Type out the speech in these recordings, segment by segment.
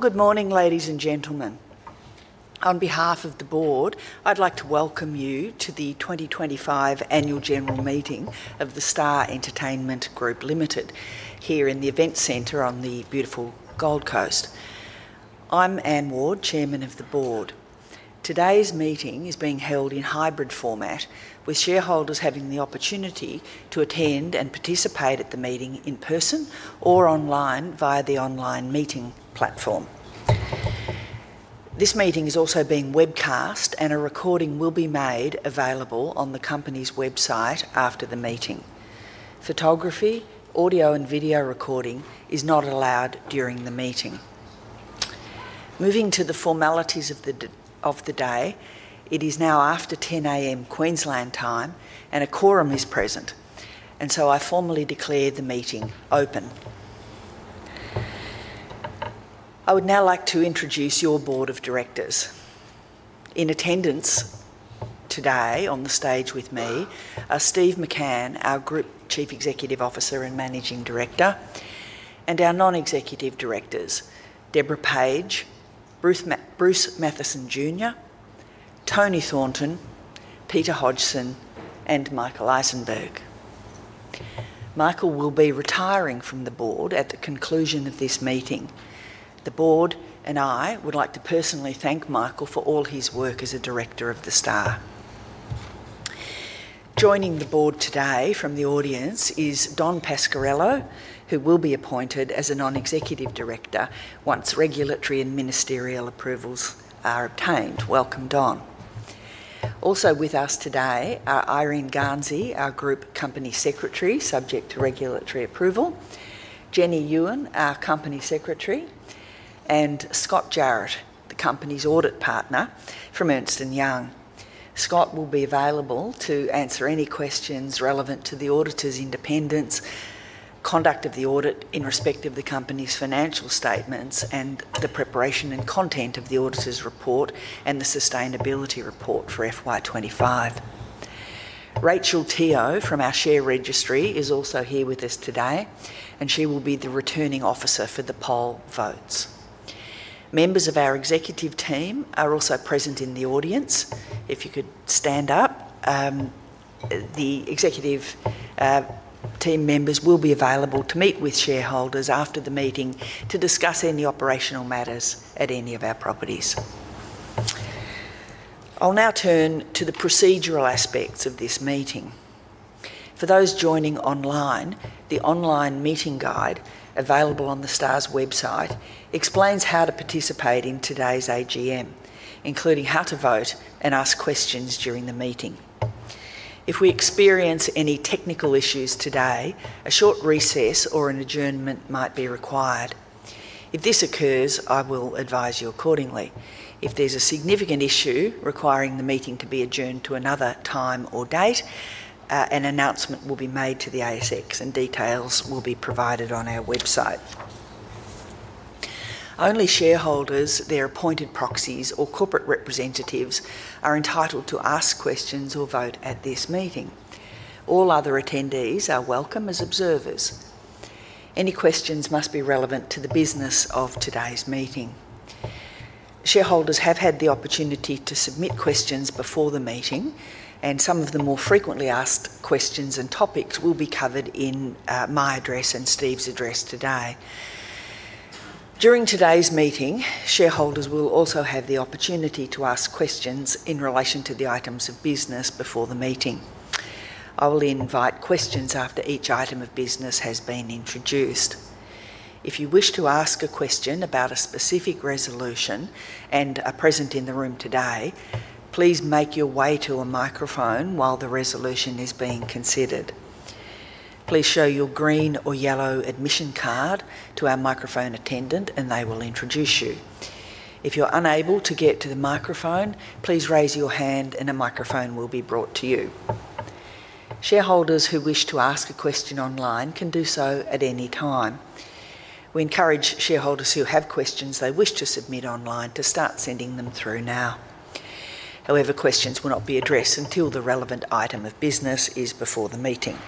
Good morning, ladies and gentlemen. On behalf of the Board, I'd like to welcome you to the 2025 Annual General Meeting of The Star Entertainment Group, here in the Event Centre on the beautiful Gold Coast. I'm Anne Ward, Chairman of the Board. Today's meeting is being held in hybrid format, with shareholders having the opportunity to attend and participate at the meeting in person or online via the online meeting platform. This meeting is also being webcast, and a recording will be made available on the Company's website after the meeting. Photography, audio, and video recording is not allowed during the meeting. Moving to the formalities of the day, it is now after 10:00 A.M. Queensland time, and a quorum is present, and so I formally declare the meeting open. I would now like to introduce your Board of Directors. In attendance today on the stage with me are Steve McCann, our Group Chief Executive Officer and Managing Director, and our non-executive directors, Deborah Page, Bruce Mathieson Jr., Toni Thornton, Peter Hodgson, and Michael Issenberg. Michael will be retiring from the Board at the conclusion of this meeting. The Board and I would like to personally thank Michael for all his work as a Director of The Star. Joining the Board today from the audience is Don Pasquariello, who will be appointed as a non-executive director once regulatory and ministerial approvals are obtained. Welcome, Don. Also with us today are Eirene Garnsey, our Group Company Secretary, subject to regulatory approval; Jennie Yuen, our Company Secretary; and Scott Jarrett, the Company's audit partner from Ernst & Young. Scott will be available to answer any questions relevant to the auditor's independence, conduct of the audit in respect of the company's financial statements, and the preparation and content of the auditor's report and the sustainability report for FY 2025. Rachel Teo from our share registry is also here with us today, and she will be the returning officer for the poll votes. Members of our executive team are also present in the audience. If you could stand up. The executive team members will be available to meet with shareholders after the meeting to discuss any operational matters at any of our properties. I'll now turn to the procedural aspects of this meeting. For those joining online, the online meeting guide available on the Star's website explains how to participate in today's AGM, including how to vote and ask questions during the meeting. If we experience any technical issues today, a short recess or an adjournment might be required. If this occurs, I will advise you accordingly. If there's a significant issue requiring the meeting to be adjourned to another time or date, an announcement will be made to the ASX, and details will be provided on our website. Only shareholders, their appointed proxies, or corporate representatives are entitled to ask questions or vote at this meeting. All other attendees are welcome as observers. Any questions must be relevant to the business of today's meeting. Shareholders have had the opportunity to submit questions before the meeting, and some of the more frequently asked questions and topics will be covered in my address and Steve's address today. During today's meeting, shareholders will also have the opportunity to ask questions in relation to the items of business before the meeting. I will invite questions after each item of business has been introduced. If you wish to ask a question about a specific resolution and are present in the room today, please make your way to a microphone while the resolution is being considered. Please show your green or yellow admission card to our microphone attendant, and they will introduce you. If you're unable to get to the microphone, please raise your hand, and a microphone will be brought to you. Shareholders who wish to ask a question online can do so at any time. We encourage shareholders who have questions they wish to submit online to start sending them through now. However, questions will not be addressed until the relevant item of business is before the meeting.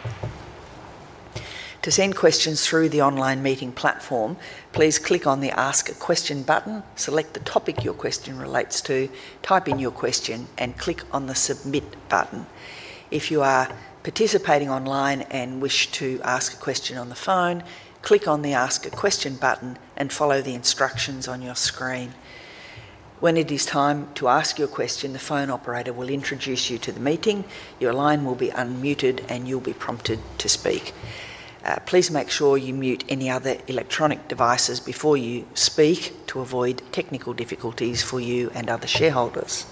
To send questions through the online meeting platform, please click on the Ask a Question button, select the topic your question relates to, type in your question, and click on the Submit button. If you are participating online and wish to ask a question on the phone, click on the Ask a Question button and follow the instructions on your screen. When it is time to ask your question, the phone operator will introduce you to the meeting. Your line will be unmuted, and you'll be prompted to speak. Please make sure you mute any other electronic devices before you speak to avoid technical difficulties for you and other shareholders.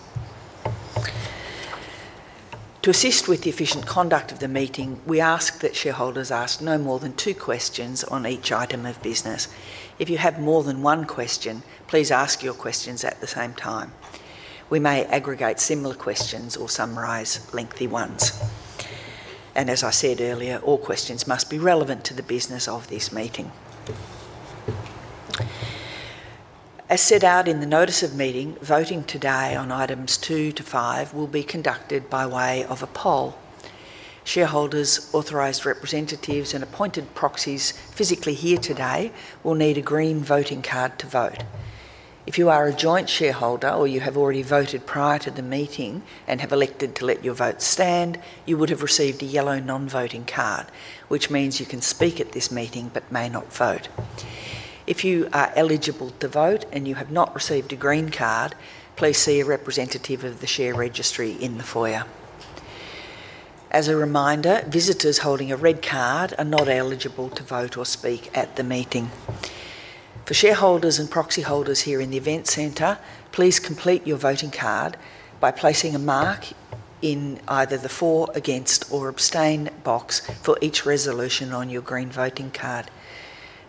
To assist with the efficient conduct of the meeting, we ask that shareholders ask no more than two questions on each item of business. If you have more than one question, please ask your questions at the same time. We may aggregate similar questions or summarize lengthy ones. As I said earlier, all questions must be relevant to the business of this meeting. As set out in the notice of meeting, voting today on items two to five will be conducted by way of a poll. Shareholders, authorized representatives, and appointed proxies physically here today will need a green voting card to vote. If you are a joint shareholder or you have already voted prior to the meeting and have elected to let your vote stand, you would have received a yellow non-voting card, which means you can speak at this meeting but may not vote. If you are eligible to vote and you have not received a green card, please see a representative of the share registry in the foyer. As a reminder, visitors holding a red card are not eligible to vote or speak at the meeting. For shareholders and proxy holders here in the Event Centre, please complete your voting card by placing a mark in either the For, Against, or Abstain box for each resolution on your green voting card.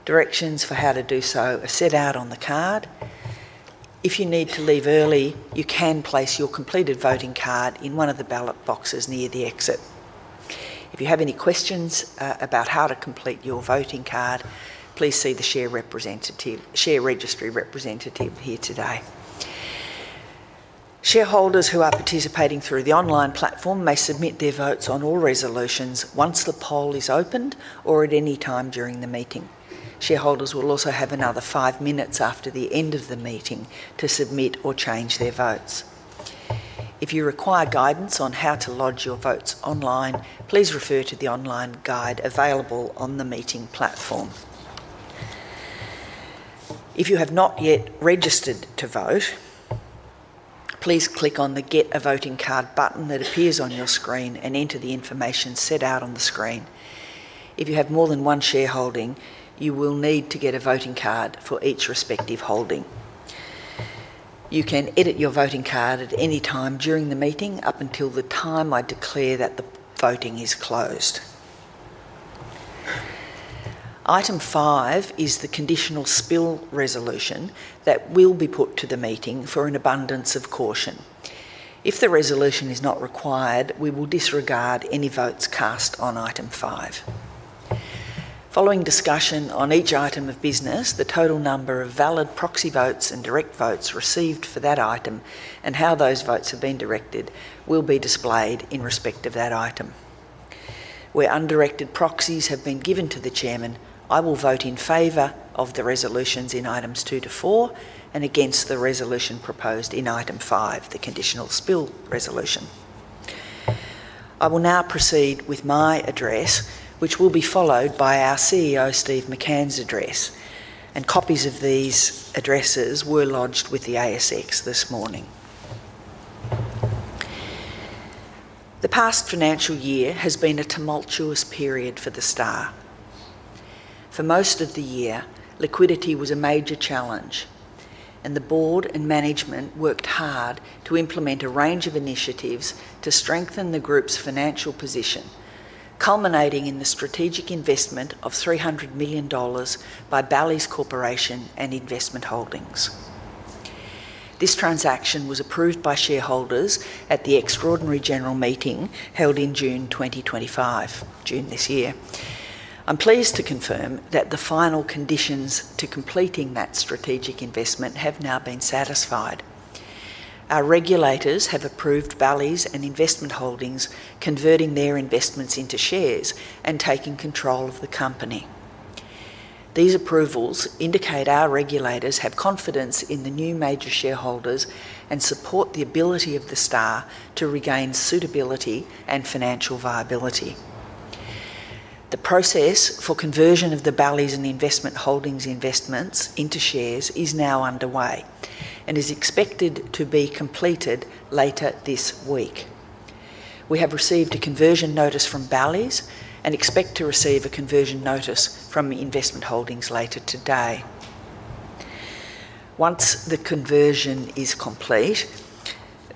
Directions for how to do so are set out on the card. If you need to leave early, you can place your completed voting card in one of the ballot boxes near the exit. If you have any questions about how to complete your voting card, please see the share registry representative here today. Shareholders who are participating through the online platform may submit their votes on all resolutions once the poll is opened or at any time during the meeting. Shareholders will also have another five minutes after the end of the meeting to submit or change their votes. If you require guidance on how to lodge your votes online, please refer to the online guide available on the meeting platform. If you have not yet registered to vote, please click on the Get a Voting Card button that appears on your screen and enter the information set out on the screen. If you have more than one shareholding, you will need to get a voting card for each respective holding. You can edit your voting card at any time during the meeting up until the time I declare that the voting is closed. Item five is the conditional spill resolution that will be put to the meeting for an abundance of caution. If the resolution is not required, we will disregard any votes cast on Item five. Following discussion on each item of business, the total number of valid proxy votes and direct votes received for that item and how those votes have been directed will be displayed in respect of that item. Where undirected proxies have been given to the Chairman, I will vote in favor of the resolutions in Items two to four and against the resolution proposed in Item five, the conditional spill resolution. I will now proceed with my address, which will be followed by our CEO, Steve McCann's address, and copies of these addresses were lodged with the ASX this morning. The past financial year has been a tumultuous period for the Star. For most of the year, liquidity was a major challenge, and the Board and management worked hard to implement a range of initiatives to strengthen the Group's financial position, culminating in the strategic investment of 300 million dollars by Bally's Corporation and Investment Holdings. This transaction was approved by shareholders at the Extraordinary General Meeting held in June 2025, June this year. I'm pleased to confirm that the final conditions to completing that strategic investment have now been satisfied. Our regulators have approved Bally's and Investment Holdings converting their investments into shares and taking control of the company. These approvals indicate our regulators have confidence in the new major shareholders and support the ability of the Star to regain suitability and financial viability. The process for conversion of the Bally's and Investment Holdings investments into shares is now underway and is expected to be completed later this week. We have received a conversion notice from Bally's and expect to receive a conversion notice from Investment Holdings later today. Once the conversion is complete,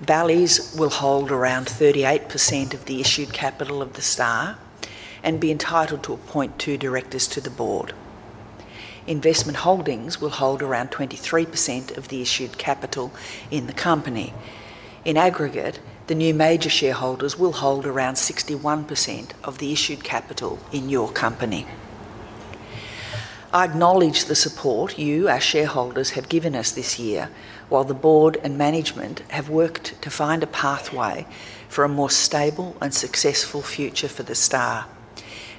Bally's will hold around 38% of the issued capital of the Star and be entitled to appoint two directors to the Board. Investment Holdings will hold around 23% of the issued capital in the company. In aggregate, the new major shareholders will hold around 61% of the issued capital in your company. I acknowledge the support you, our shareholders, have given us this year, while the Board and management have worked to find a pathway for a more stable and successful future for the Star,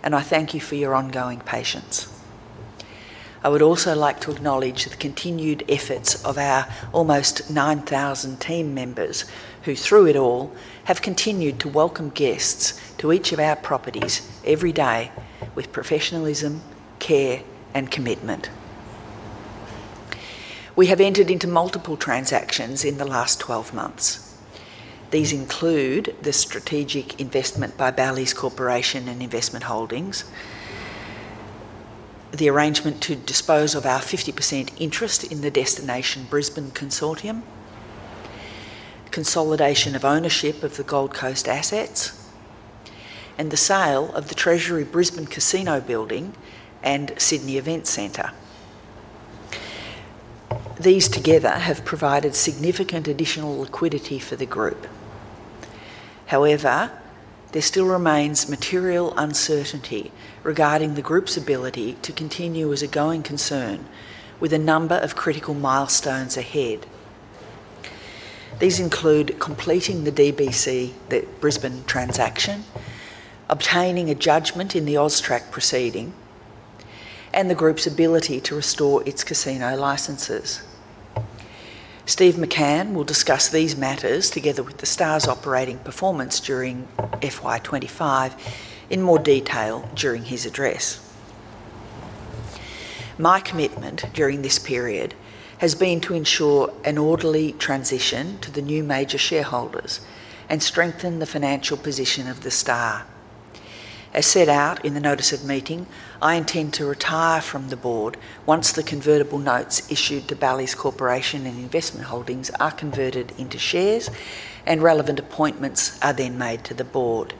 and I thank you for your ongoing patience. I would also like to acknowledge the continued efforts of our almost 9,000 team members who, through it all, have continued to welcome guests to each of our properties every day with professionalism, care, and commitment. We have entered into multiple transactions in the last 12 months. These include the strategic investment by Bally's Corporation and Investment Holdings, the arrangement to dispose of our 50% interest in the Destination Brisbane Consortium, consolidation of ownership of the Gold Coast assets, and the sale of the Treasury Brisbane Casino Building and Sydney Event Centre. These together have provided significant additional liquidity for the Group. However, there still remains material uncertainty regarding the Group's ability to continue as a going concern with a number of critical milestones ahead. These include completing the DBC Brisbane transaction, obtaining a judgment in the AUSTRAC proceeding, and the Group's ability to restore its casino licenses. Steve McCann will discuss these matters together with the Star's operating performance during FY 2025 in more detail during his address. My commitment during this period has been to ensure an orderly transition to the new major shareholders and strengthen the financial position of the Star. As set out in the notice of meeting, I intend to retire from the Board once the convertible notes issued to Bally's Corporation and Investment Holdings are converted into shares and relevant appointments are then made to the Board.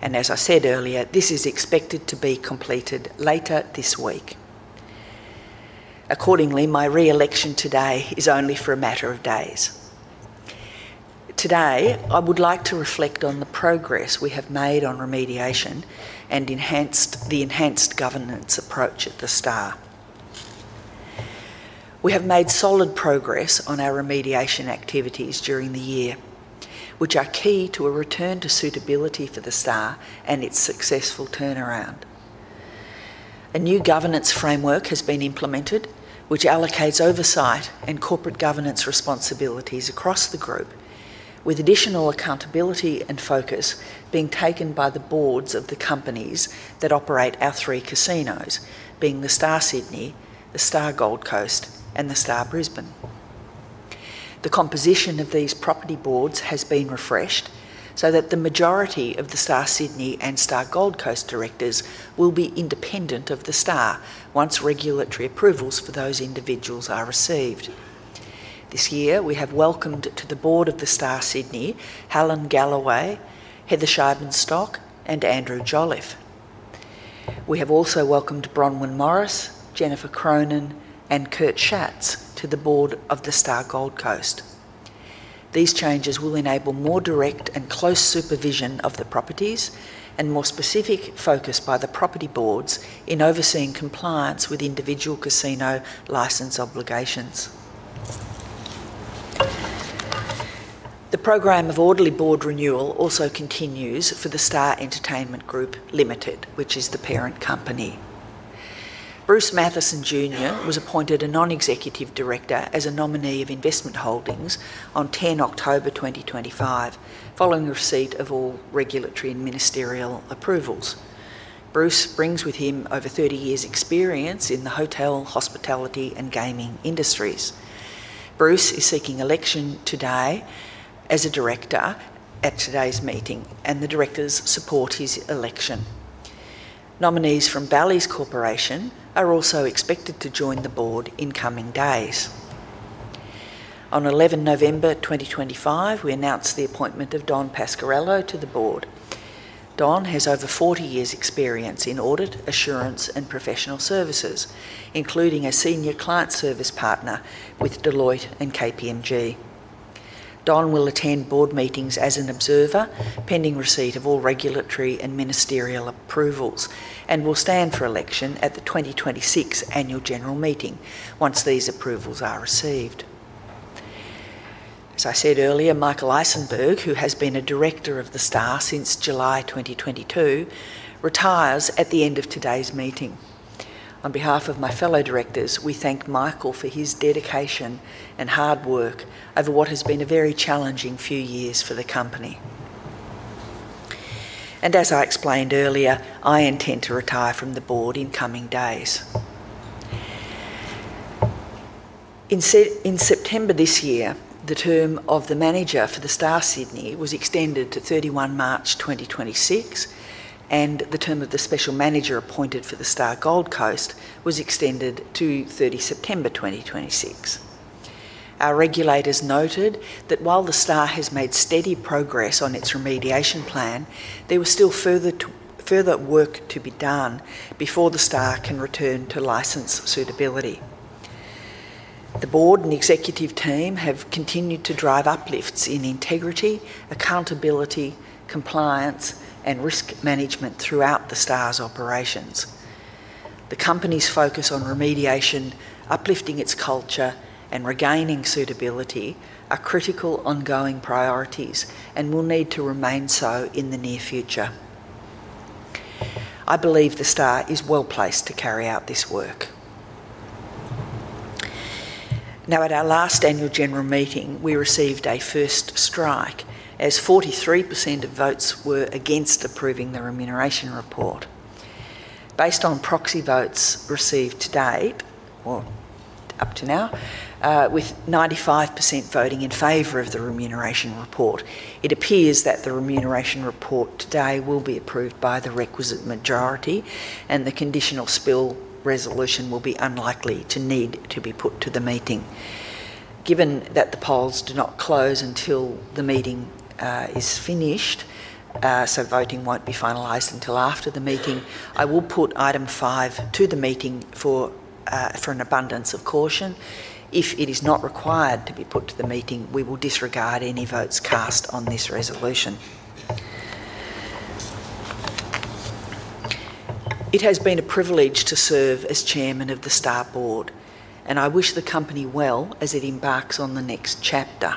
As I said earlier, this is expected to be completed later this week. Accordingly, my re-election today is only for a matter of days. Today, I would like to reflect on the progress we have made on remediation and the enhanced governance approach at the Star. We have made solid progress on our remediation activities during the year, which are key to a return to suitability for The Star and its successful turnaround. A new governance framework has been implemented, which allocates oversight and corporate governance responsibilities across the Group, with additional accountability and focus being taken by the boards of the companies that operate our three casinos, being The Star Sydney, The Star Gold Coast, and The Star Brisbane. The composition of these property boards has been refreshed so that the majority of The Star Sydney and The Star Gold Coast directors will be independent of The Star once regulatory approvals for those individuals are received. This year, we have welcomed to the Board of The Star Sydney Helen Galloway, Heather Scheibenstock, and Andrew Jolliffe. We have also welcomed Bronwyn Morris, Jennifer Cronin, and Kurt Schatz to the Board of The Star Gold Coast. These changes will enable more direct and close supervision of the properties and more specific focus by the property boards in overseeing compliance with individual casino license obligations. The program of orderly board renewal also continues for The Star Entertainment Group Ltd., which is the parent company. Bruce Mathieson Jr. was appointed a non-executive director as a nominee of Investment Holdings on 10 October 2025, following the receipt of all regulatory and ministerial approvals. Bruce brings with him over 30 years' experience in the hotel, hospitality, and gaming industries. Bruce is seeking election today as a director at today's meeting, and the directors support his election. Nominees from Bally's Corporation are also expected to join the Board in coming days. On 11 November 2025, we announced the appointment of Don Pasquariello to the Board. Don has over 40 years' experience in audit, assurance, and professional services, including a senior client service partner with Deloitte and KPMG. Don will attend Board meetings as an observer, pending receipt of all regulatory and ministerial approvals, and will stand for election at the 2026 Annual General Meeting once these approvals are received. As I said earlier, Michael Issenberg, who has been a director of The Star since July 2022, retires at the end of today's meeting. On behalf of my fellow directors, we thank Michael for his dedication and hard work over what has been a very challenging few years for the company. As I explained earlier, I intend to retire from the Board in coming days. In September this year, the term of the manager for The Star Sydney was extended to 31 March 2026, and the term of the special manager appointed for The Star Gold Coast was extended to 30 September 2026. Our regulators noted that while The Star has made steady progress on its remediation plan, there was still further work to be done before The Star can return to license suitability. The Board and executive team have continued to drive uplifts in integrity, accountability, compliance, and risk management throughout The Star's operations. The company's focus on remediation, uplifting its culture, and regaining suitability are critical ongoing priorities and will need to remain so in the near future. I believe The Star is well placed to carry out this work. Now, at our last Annual General Meeting, we received a first strike as 43% of votes were against approving the remuneration report. Based on proxy votes received today or up to now, with 95% voting in favor of the remuneration report, it appears that the remuneration report today will be approved by the requisite majority, and the conditional spill resolution will be unlikely to need to be put to the meeting. Given that the polls do not close until the meeting is finished, so voting will not be finalized until after the meeting, I will put item five to the meeting for an abundance of caution. If it is not required to be put to the meeting, we will disregard any votes cast on this resolution. It has been a privilege to serve as Chairman of the Star Board, and I wish the company well as it embarks on the next chapter.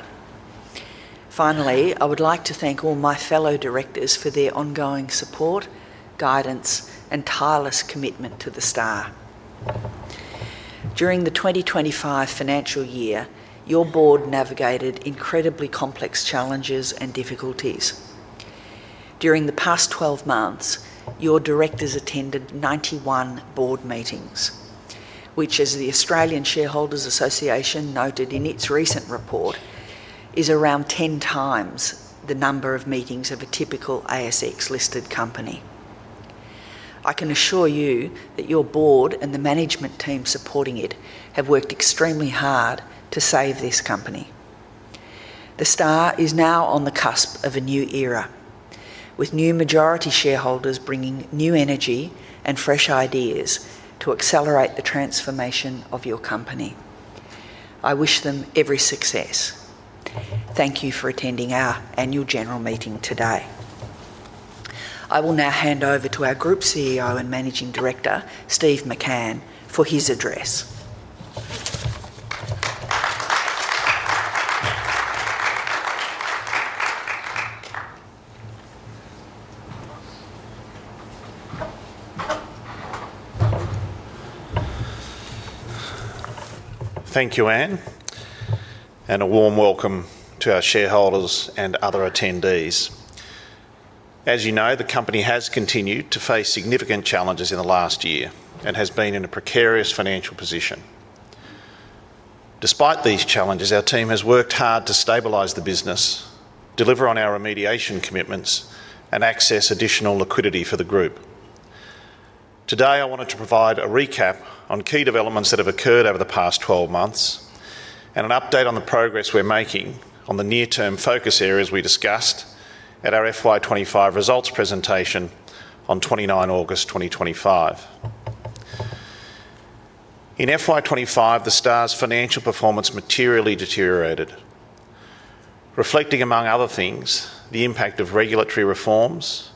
Finally, I would like to thank all my fellow directors for their ongoing support, guidance, and tireless commitment to the Star. During the 2025 financial year, your Board navigated incredibly complex challenges and difficulties. During the past 12 months, your directors attended 91 Board meetings, which, as the Australian Shareholders Association noted in its recent report, is around 10 times the number of meetings of a typical ASX-listed company. I can assure you that your Board and the management team supporting it have worked extremely hard to save this company. The Star is now on the cusp of a new era, with new majority shareholders bringing new energy and fresh ideas to accelerate the transformation of your company. I wish them every success. Thank you for attending our Annual General Meeting today. I will now hand over to our Group CEO and Managing Director, Steve McCann, for his address. Thank you, Anne, and a warm welcome to our shareholders and other attendees. As you know, the company has continued to face significant challenges in the last year and has been in a precarious financial position. Despite these challenges, our team has worked hard to stabilize the business, deliver on our remediation commitments, and access additional liquidity for the Group. Today, I wanted to provide a recap on key developments that have occurred over the past 12 months and an update on the progress we're making on the near-term focus areas we discussed at our FY 2025 results presentation on 29 August 2025. In FY 2025, the Star's financial performance materially deteriorated, reflecting, among other things, the impact of regulatory reforms,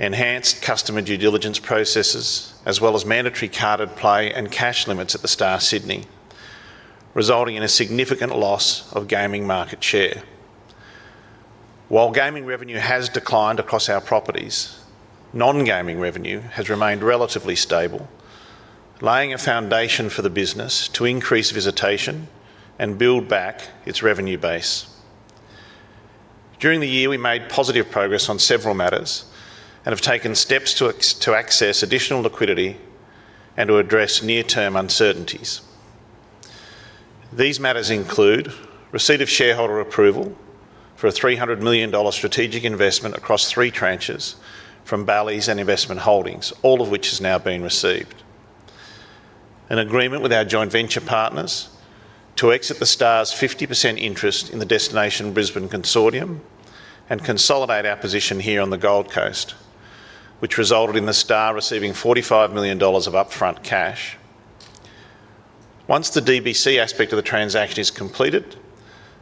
enhanced customer due diligence processes, as well as mandatory carded play and cash limits at the Star Sydney, resulting in a significant loss of gaming market share. While gaming revenue has declined across our properties, non-gaming revenue has remained relatively stable, laying a foundation for the business to increase visitation and build back its revenue base. During the year, we made positive progress on several matters and have taken steps to access additional liquidity and to address near-term uncertainties. These matters include receipt of shareholder approval for a 300 million dollar strategic investment across three tranches from Bally's and Investment Holdings, all of which has now been received, an agreement with our joint venture partners to exit the Star's 50% interest in the Destination Brisbane Consortium and consolidate our position here on the Gold Coast, which resulted in the Star receiving 45 million dollars of upfront cash. Once the DBC aspect of the transaction is completed,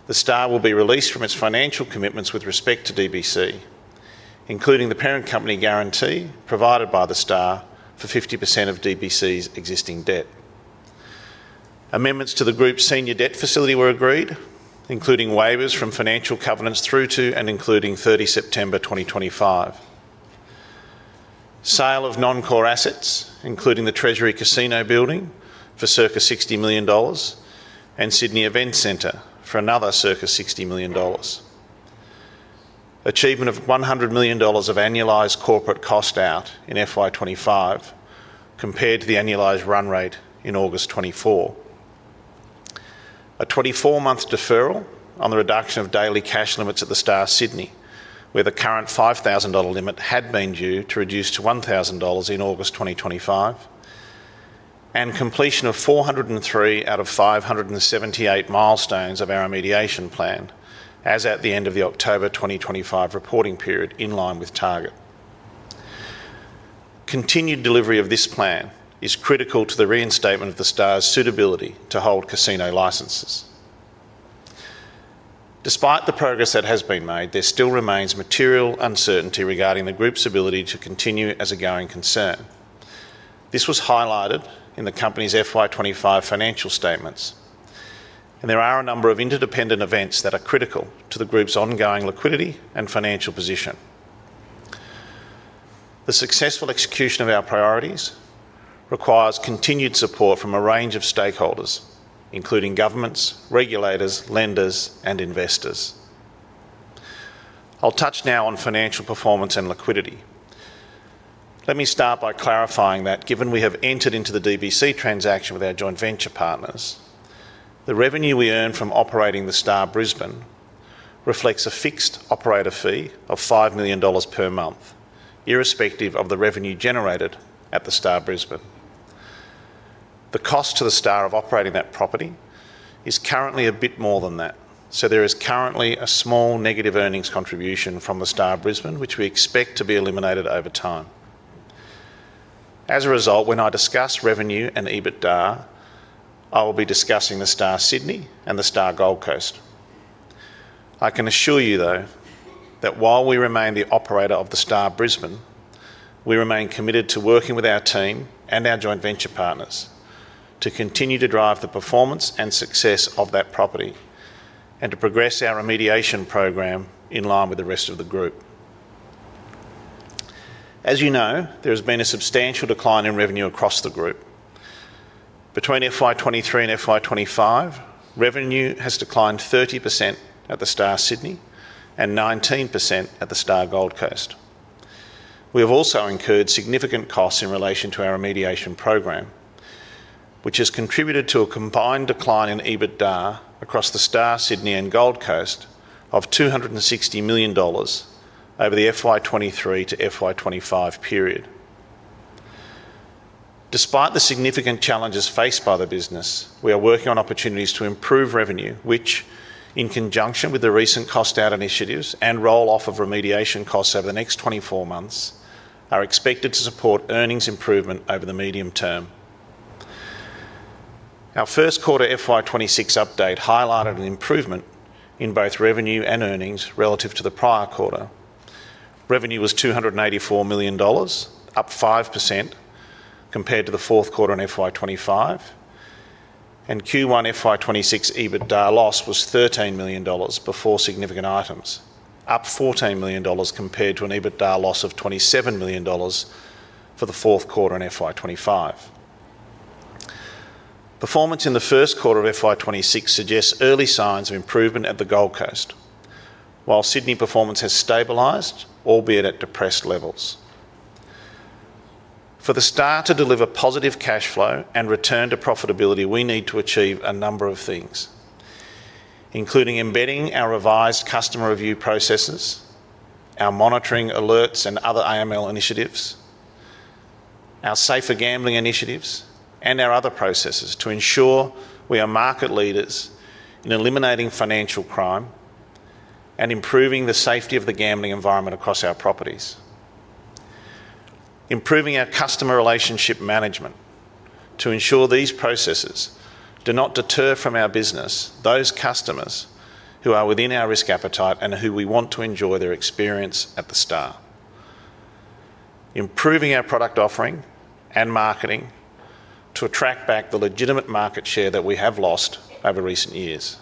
The Star will be released from its financial commitments with respect to DBC, including the parent company guarantee provided by The Star for 50% of DBC's existing debt. Amendments to the Group's senior debt facility were agreed, including waivers from financial covenants through to and including 30 September 2025, sale of non-core assets, including the Treasury Casino Building for circa 60 million dollars and Sydney Event Centre for another circa 60 million dollars, achievement of 100 million dollars of annualized corporate cost out in FY 2025 compared to the annualized run rate in August 2024, a 24-month deferral on the reduction of daily cash limits at The Star Sydney, where the current 5,000 dollar limit had been due to reduce to 1,000 dollars in August 2025, and completion of 403 out of 578 milestones of our remediation plan as at the end of the October 2025 reporting period in line with target. Continued delivery of this plan is critical to the reinstatement of The Star's suitability to hold casino licenses. Despite the progress that has been made, there still remains material uncertainty regarding the Group's ability to continue as a going concern. This was highlighted in the company's FY 2025 financial statements, and there are a number of interdependent events that are critical to the Group's ongoing liquidity and financial position. The successful execution of our priorities requires continued support from a range of stakeholders, including governments, regulators, lenders, and investors. I'll touch now on financial performance and liquidity. Let me start by clarifying that given we have entered into the DBC transaction with our joint venture partners, the revenue we earn from operating The Star Brisbane reflects a fixed operator fee of 5 million dollars per month, irrespective of the revenue generated at The Star Brisbane. The cost to The Star of operating that property is currently a bit more than that, so there is currently a small negative earnings contribution from The Star Brisbane, which we expect to be eliminated over time. As a result, when I discuss revenue and EBITDA, I will be discussing The Star Sydney and The Star Gold Coast. I can assure you, though, that while we remain the operator of The Star Brisbane, we remain committed to working with our team and our joint venture partners to continue to drive the performance and success of that property and to progress our remediation program in line with the rest of the Group. As you know, there has been a substantial decline in revenue across the Group. Between FY2023 and FY2025, revenue has declined 30% at The Star Sydney and 19% at The Star Gold Coast. We have also incurred significant costs in relation to our remediation program, which has contributed to a combined decline in EBITDA across the Star Sydney and Gold Coast of 260 million dollars over the FY23 to FY 2025 period. Despite the significant challenges faced by the business, we are working on opportunities to improve revenue, which, in conjunction with the recent cost-out initiatives and roll-off of remediation costs over the next 24 months, are expected to support earnings improvement over the medium term. Our first quarter FY 2026 update highlighted an improvement in both revenue and earnings relative to the prior quarter. Revenue was 284 million dollars, up 5% compared to the fourth quarter in FY 2025, and Q1 FY 2026 EBITDA loss was 13 million dollars before significant items, up 14 million dollars compared to an EBITDA loss of 27 million dollars for the fourth quarter in FY 2025. Performance in the first quarter of FY 2026 suggests early signs of improvement at the Gold Coast, while Sydney performance has stabilized, albeit at depressed levels. For The Star to deliver positive cash flow and return to profitability, we need to achieve a number of things, including embedding our revised customer review processes, our monitoring alerts and other AML initiatives, our safer gambling initiatives, and our other processes to ensure we are market leaders in eliminating financial crime and improving the safety of the gambling environment across our properties, improving our customer relationship management to ensure these processes do not deter from our business those customers who are within our risk appetite and who we want to enjoy their experience at The Star, improving our product offering and marketing to attract back the legitimate market share that we have lost over recent years,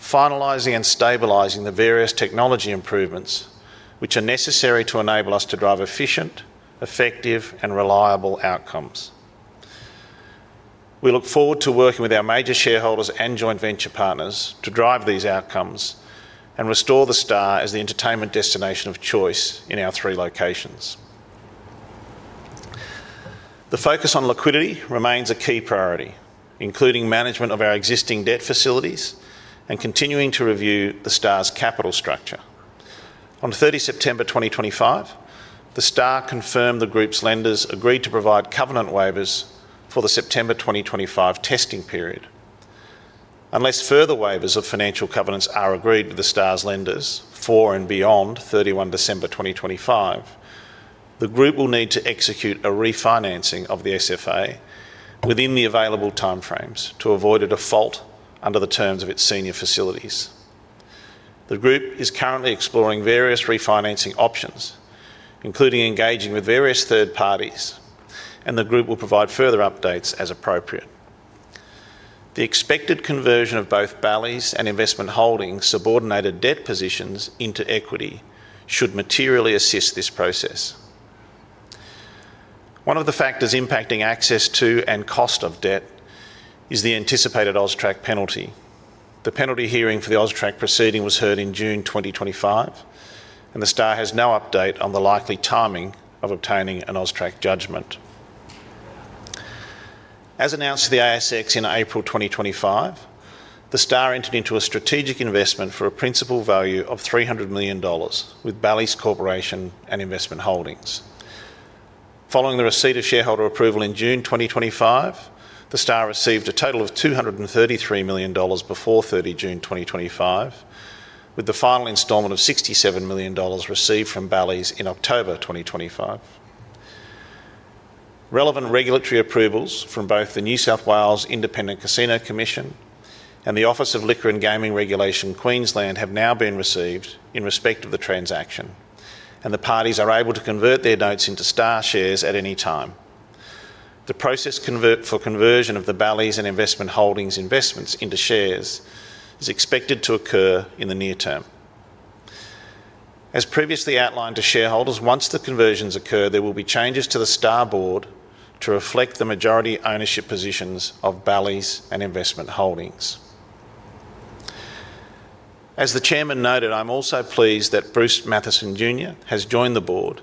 finalizing and stabilizing the various technology improvements which are necessary to enable us to drive efficient, effective, and reliable outcomes. We look forward to working with our major shareholders and joint venture partners to drive these outcomes and restore the Star as the entertainment destination of choice in our three locations. The focus on liquidity remains a key priority, including management of our existing debt facilities and continuing to review the Star's capital structure. On 30 September 2025, the Star confirmed the Group's lenders agreed to provide covenant waivers for the September 2025 testing period. Unless further waivers of financial covenants are agreed with the Star's lenders for and beyond 31 December 2025, the Group will need to execute a refinancing of the SFA within the available timeframes to avoid a default under the terms of its senior facilities. The Group is currently exploring various refinancing options, including engaging with various third parties, and the Group will provide further updates as appropriate. The expected conversion of both Bally's and Investment Holdings' subordinated debt positions into equity should materially assist this process. One of the factors impacting access to and cost of debt is the anticipated AUSTRAC penalty. The penalty hearing for the AUSTRAC proceeding was heard in June 2025, and The Star has no update on the likely timing of obtaining an AUSTRAC judgment. As announced to the ASX in April 2025, The Star entered into a strategic investment for a principal value of 300 million dollars with Bally's Corporation and Investment Holdings. Following the receipt of shareholder approval in June 2025, The Star received a total of 233 million dollars before 30 June 2025, with the final instalment of 67 million dollars received from Bally's in October 2025. Relevant regulatory approvals from both the New South Wales Independent Casino Commission and the Office of Liquor and Gaming Regulation Queensland have now been received in respect of the transaction, and the parties are able to convert their notes into Star shares at any time. The process for conversion of the Bally's and Investment Holdings' investments into shares is expected to occur in the near term. As previously outlined to shareholders, once the conversions occur, there will be changes to the Star Board to reflect the majority ownership positions of Bally's and Investment Holdings. As the Chairman noted, I'm also pleased that Bruce Mathieson Jr. has joined the Board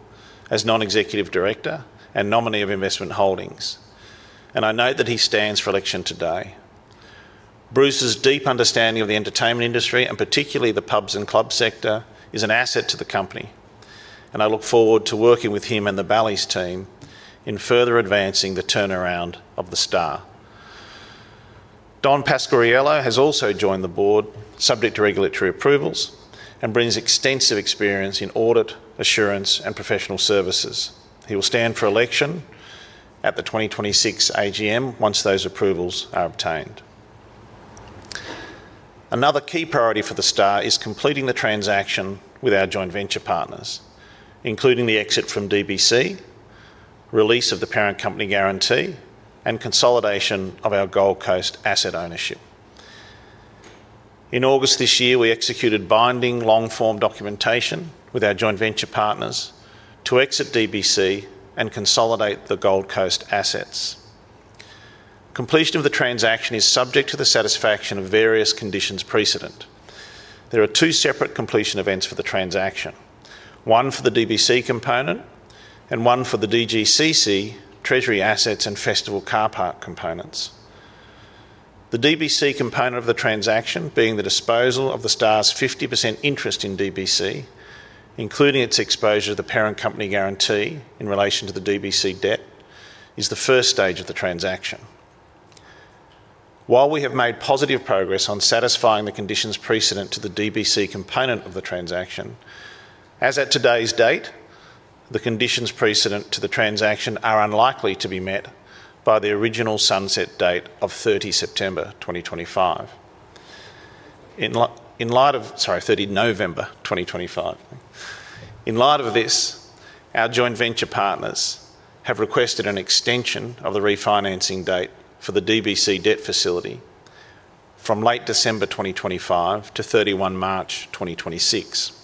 as Non-Executive Director and nominee of Investment Holdings, and I note that he stands for election today. Bruce's deep understanding of the entertainment industry, and particularly the pubs and club sector, is an asset to the company, and I look forward to working with him and the Bally's team in further advancing the turnaround of the Star. Don Pasquariello has also joined the Board, subject to regulatory approvals, and brings extensive experience in audit, assurance, and professional services. He will stand for election at the 2026 AGM once those approvals are obtained. Another key priority for the Star is completing the transaction with our joint venture partners, including the exit from DBC, release of the parent company guarantee, and consolidation of our Gold Coast asset ownership. In August this year, we executed binding long-form documentation with our joint venture partners to exit DBC and consolidate the Gold Coast assets. Completion of the transaction is subject to the satisfaction of various conditions precedent. There are two separate completion events for the transaction, one for the DBC component and one for the DGCC Treasury Assets and Festival Car Park components. The DBC component of the transaction, being the disposal of the Star's 50% interest in DBC, including its exposure to the parent company guarantee in relation to the DBC debt, is the first stage of the transaction. While we have made positive progress on satisfying the conditions precedent to the DBC component of the transaction, as at today's date, the conditions precedent to the transaction are unlikely to be met by the original sunset date of 30 September 2025. In light of, sorry, 30 November 2025. In light of this, our joint venture partners have requested an extension of the refinancing date for the DBC debt facility from late December 2025 to 31 March 2026.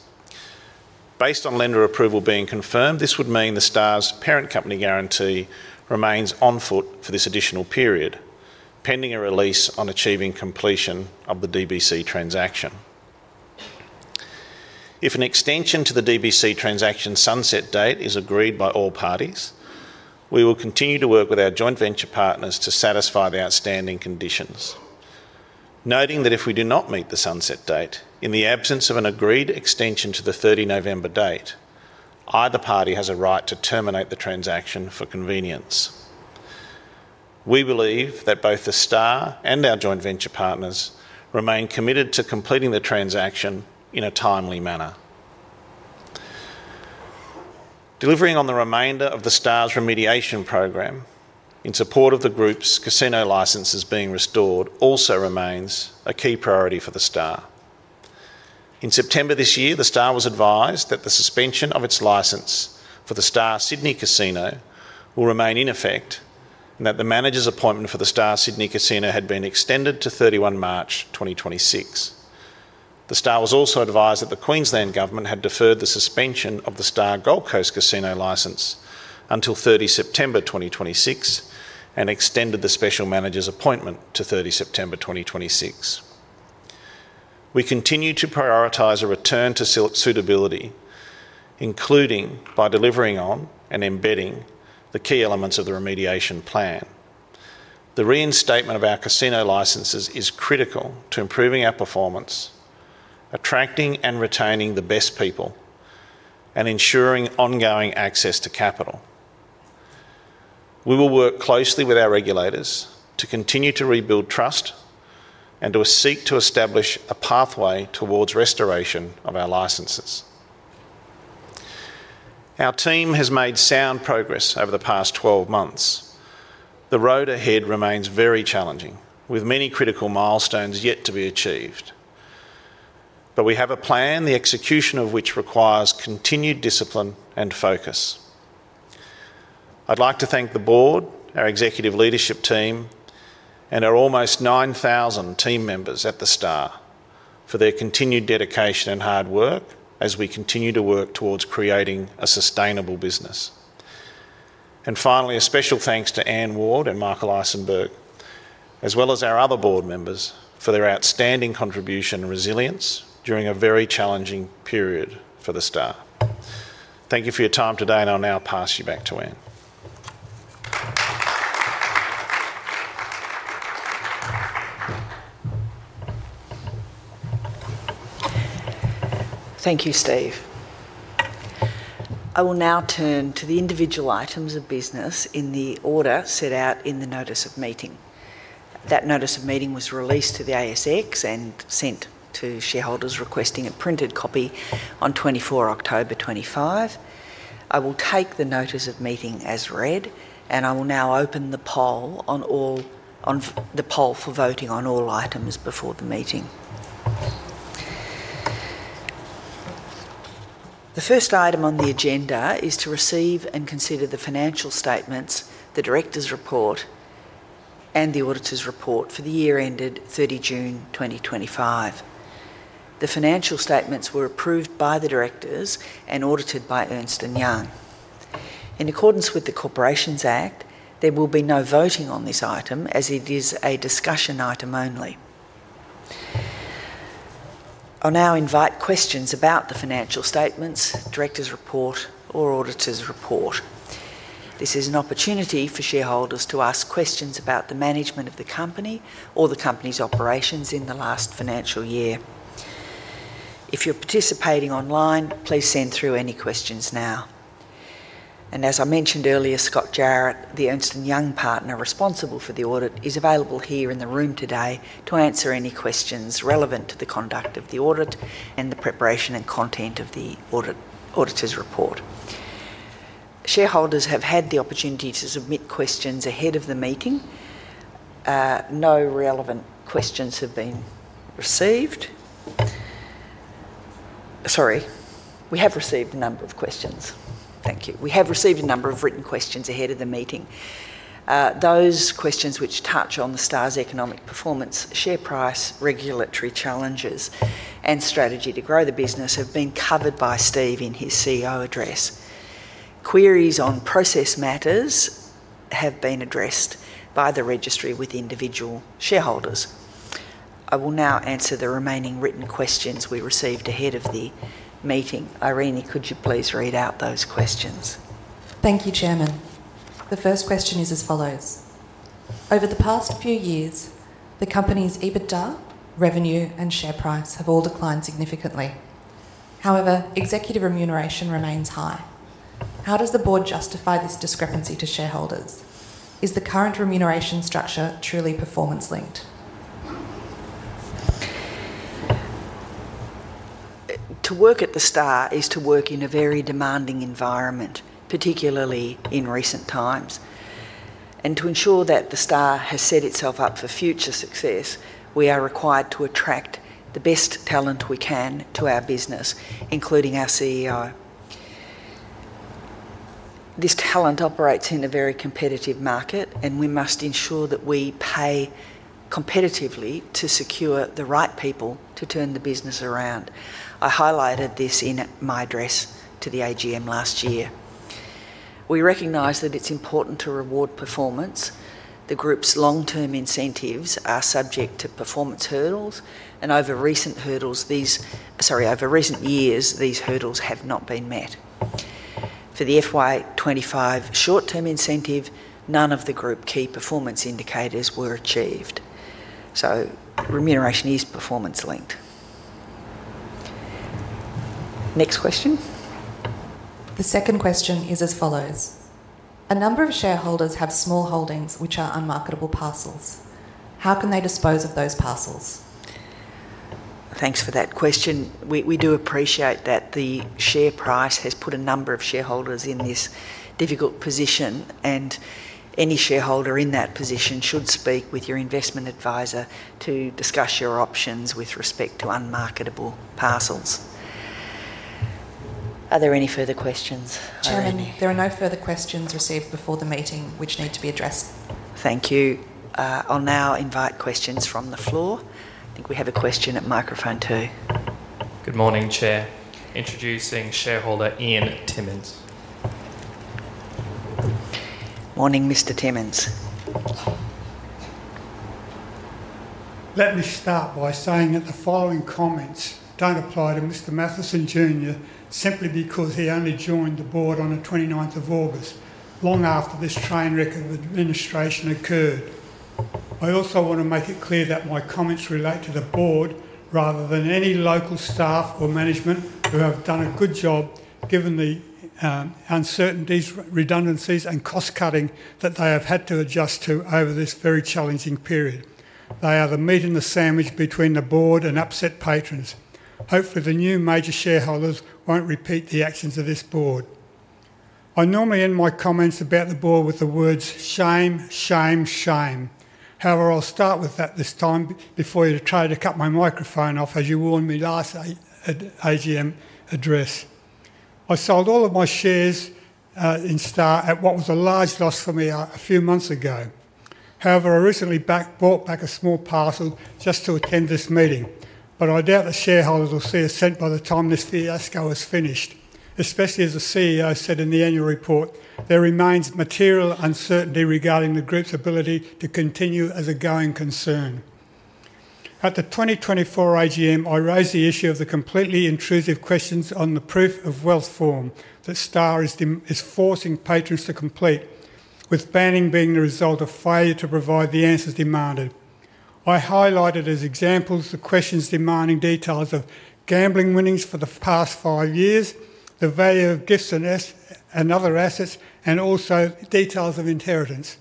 Based on lender approval being confirmed, this would mean The Star's parent company guarantee remains on foot for this additional period, pending a release on achieving completion of the DBC transaction. If an extension to the DBC transaction sunset date is agreed by all parties, we will continue to work with our joint venture partners to satisfy the outstanding conditions, noting that if we do not meet the sunset date, in the absence of an agreed extension to the 30 November date, either party has a right to terminate the transaction for convenience. We believe that both The Star and our joint venture partners remain committed to completing the transaction in a timely manner. Delivering on the remainder of The Star's remediation program in support of the Group's casino licenses being restored also remains a key priority for The Star. In September this year, The Star was advised that the suspension of its license for The Star Sydney Casino will remain in effect and that the manager's appointment for The Star Sydney Casino had been extended to 31 March 2026. The Star was also advised that the Queensland government had deferred the suspension of The Star Gold Coast casino license until 30 September 2026 and extended the special manager's appointment to 30 September 2026. We continue to prioritize a return to suitability, including by delivering on and embedding the key elements of the remediation plan. The reinstatement of our casino licenses is critical to improving our performance, attracting and retaining the best people, and ensuring ongoing access to capital. We will work closely with our regulators to continue to rebuild trust and to seek to establish a pathway towards restoration of our licenses. Our team has made sound progress over the past 12 months. The road ahead remains very challenging, with many critical milestones yet to be achieved, but we have a plan, the execution of which requires continued discipline and focus. I'd like to thank the Board, our executive leadership team, and our almost 9,000 team members at the Star for their continued dedication and hard work as we continue to work towards creating a sustainable business. Finally, a special thanks to Anne Ward and Michael Issenberg, as well as our other Board members, for their outstanding contribution and resilience during a very challenging period for the Star. Thank you for your time today, and I'll now pass you back to Anne. Thank you, Steve. I will now turn to the individual items of business in the order set out in the notice of meeting. That notice of meeting was released to the ASX and sent to shareholders requesting a printed copy on 24 October 2025. I will take the notice of meeting as read, and I will now open the poll on the poll for voting on all items before the meeting. The first item on the agenda is to receive and consider the financial statements, the director's report, and the auditor's report for the year ended 30 June 2025. The financial statements were approved by the directors and audited by Ernst & Young. In accordance with the Corporations Act, there will be no voting on this item as it is a discussion item only. I'll now invite questions about the financial statements, director's report, or auditor's report. This is an opportunity for shareholders to ask questions about the management of the company or the company's operations in the last financial year. If you're participating online, please send through any questions now. As I mentioned earlier, Scott Jarrett, the Ernst & Young partner responsible for the audit, is available here in the room today to answer any questions relevant to the conduct of the audit and the preparation and content of the auditor's report. Shareholders have had the opportunity to submit questions ahead of the meeting. No relevant questions have been received. So rry, we have received a number of questions. Thank you. We have received a number of written questions ahead of the meeting. Those questions which touch on the Star's economic performance, share price, regulatory challenges, and strategy to grow the business have been covered by Steve in his CEO address. Queries on process matters have been addressed by the registry with individual shareholders. I will now answer the remaining written questions we received ahead of the meeting. Eirene, could you please read out those questions? Thank you, Chairman. The first question is as follows. Over the past few years, the company's EBITDA, revenue, and share price have all declined significantly. However, executive remuneration remains high. How does the Board justify this discrepancy to shareholders? Is the current remuneration structure truly performance-linked? To work at the Star is to work in a very demanding environment, particularly in recent times. To ensure that the Star has set itself up for future success, we are required to attract the best talent we can to our business, including our CEO. This talent operates in a very competitive market, and we must ensure that we pay competitively to secure the right people to turn the business around. I highlighted this in my address to the AGM last year. We recognize that it's important to reward performance. The Group's long-term incentives are subject to performance hurdles, and over recent hurdles, these—sorry, over recent years, these hurdles have not been met. For the FY 2025 short-term incentive, none of the Group key performance indicators were achieved. Remuneration is performance-linked. Next question. The second question is as follows. A number of shareholders have small holdings which are unmarketable parcels. How can they dispose of those parcels? Thanks for that question. We do appreciate that the share price has put a number of shareholders in this difficult position, and any shareholder in that position should speak with your investment advisor to discuss your options with respect to unmarketable parcels. Are there any further questions? Chairman, there are no further questions received before the meeting which need to be addressed. Thank you. I'll now invite questions from the floor. I think we have a question at microphone two. Good morning, Chair. Introducing shareholder Ian Timmonds. Morning, Mr. Timmonds. Let me start by saying that the following comments do not apply to Mr. Mathieson Jr. simply because he only joined the Board on the 29th of August, long after this train wreck of administration occurred. I also want to make it clear that my comments relate to the Board rather than any local staff or management who have done a good job given the uncertainties, redundancies, and cost-cutting that they have had to adjust to over this very challenging period. They are the meat and the sandwich between the Board and upset patrons. Hopefully, the new major shareholders will not repeat the actions of this Board. I normally end my comments about the Board with the words, "Shame, shame, shame." However, I will start with that this time before you try to cut my microphone off, as you warned me last AGM address. I sold all of my shares in Star at what was a large loss for me a few months ago. However, I recently bought back a small parcel just to attend this meeting, but I doubt the shareholders will see us sent by the time this fiasco is finished, especially as the CEO said in the annual report, there remains material uncertainty regarding the Group's ability to continue as a going concern. At the 2024 AGM, I raised the issue of the completely intrusive questions on the proof of wealth form that Star is forcing patrons to complete, with banning being the result of failure to provide the answers demanded. I highlighted as examples the questions demanding details of gambling winnings for the past five years, the value of gifts and other assets, and also details of inheritance.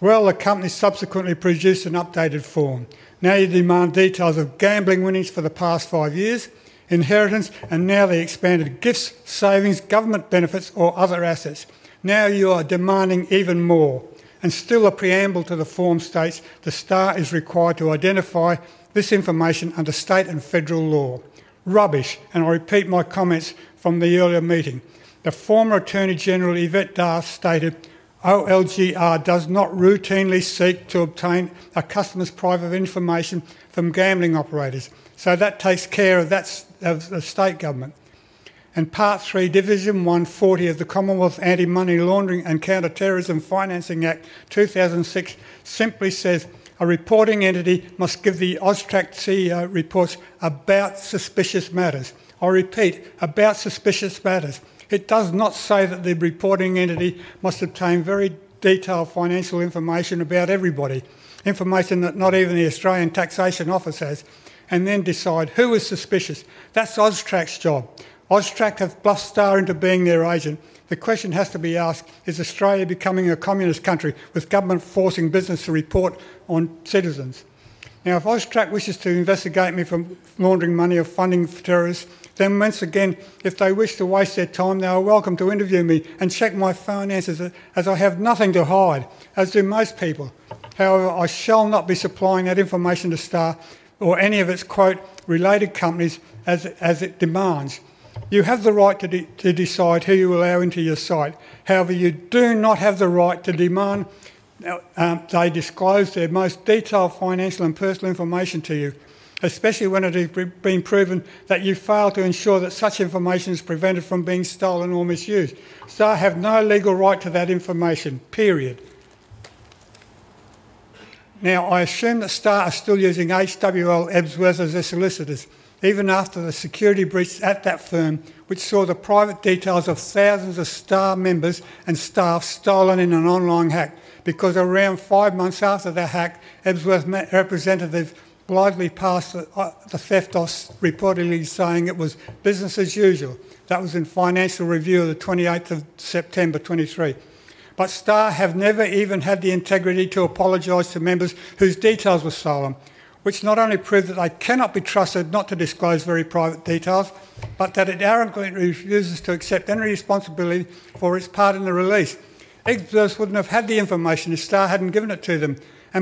The company subsequently produced an updated form. Now you demand details of gambling winnings for the past five years, inheritance, and now the expanded gifts, savings, government benefits, or other assets. You are demanding even more. A preamble to the form states The Star is required to identify this information under state and federal law. Rubbish, and I repeat my comments from the earlier meeting. The former Attorney General, Yvette D'ath, stated OLGR does not routinely seek to obtain a customer's private information from gambling operators. That takes care of that of the state government. Part three, division 140 of the Commonwealth Anti-Money Laundering and Counterterrorism Financing Act 2006 simply says a reporting entity must give the AUSTRAC CEO reports about suspicious matters. I repeat, about suspicious matters. It does not say that the reporting entity must obtain very detailed financial information about everybody, information that not even the Australian Taxation Office has, and then decide who is suspicious. That's AUSTRAC's job. AUSTRAC have bluffed Star into being their agent. The question has to be asked, is Australia becoming a communist country with government forcing business to report on citizens? Now, if AUSTRAC wishes to investigate me for laundering money or funding for terrorists, then once again, if they wish to waste their time, they are welcome to interview me and check my finances as I have nothing to hide, as do most people. However, I shall not be supplying that information to Star or any of its "related companies" as it demands. You have the right to decide who you allow into your site. However, you do not have the right to demand they disclose their most detailed financial and personal information to you, especially when it has been proven that you fail to ensure that such information is prevented from being stolen or misused. Star have no legal right to that information, period. Now, I assume that Star are still using HWL Ebsworth as their solicitors, even after the security breach at that firm, which saw the private details of thousands of Star members and staff stolen in an online hack. Because around five months after that hack, Ebsworth representatives blithely passed the theft off, reportedly saying it was business as usual. That was in Financial Review of the 28th of September 2023. Star have never even had the integrity to apologize to members whose details were stolen, which not only proved that they cannot be trusted not to disclose very private details, but that it arrogantly refuses to accept any responsibility for its part in the release. HWL would not have had the information if Star had not given it to them.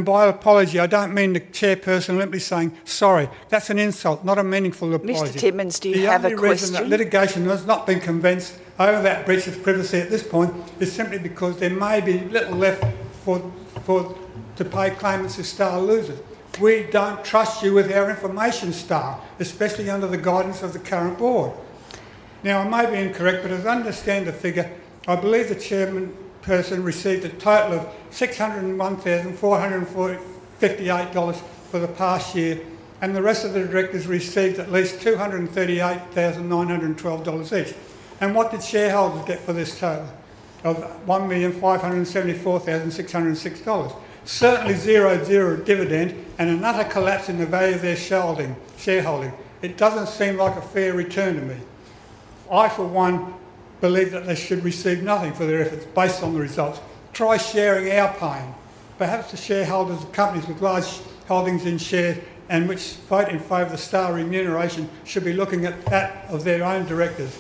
By apology, I do not mean the chairperson literally saying, "Sorry." That is an insult, not a meaningful apology. Mr. Timmonds, do you have a question? Litigation has not been commenced over that breach of privacy at this point. It is simply because there may be little left to pay claimants if Star loses. We do not trust you with our information, Star, especially under the guidance of the current Board. Now, I may be incorrect, but as I understand the figure, I believe the Chairman person received a total of 601,458 dollars for the past year, and the rest of the directors received at least 238,912 dollars each. What did shareholders get for this total of 1,574,606 dollars? Certainly zero dividend and another collapse in the value of their shareholding. It does not seem like a fair return to me. I, for one, believe that they should receive nothing for their efforts based on the results. Try sharing our pain. Perhaps the shareholders of companies with large holdings in shares and which vote in favor of the Star remuneration should be looking at that of their own directors.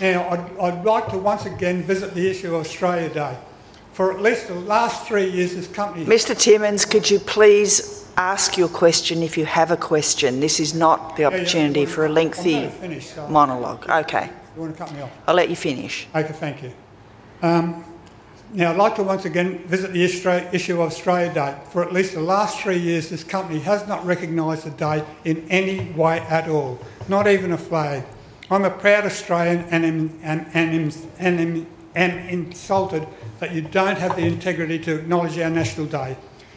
Now, I would like to once again visit the issue of Australia Day. For at least the last three years, this company. Mr. Timmonds, could you please ask your question if you have a question? This is not the opportunity for a lengthy monologue. Okay. You want to cut me off? I'll let you finish. Okay, thank you. Now, I'd like to once again visit the issue of Australia Day. For at least the last three years, this company has not recognised the day in any way at all, not even a flag. I'm a proud Australian and am insulted that you don't have the integrity to acknowledge our national day.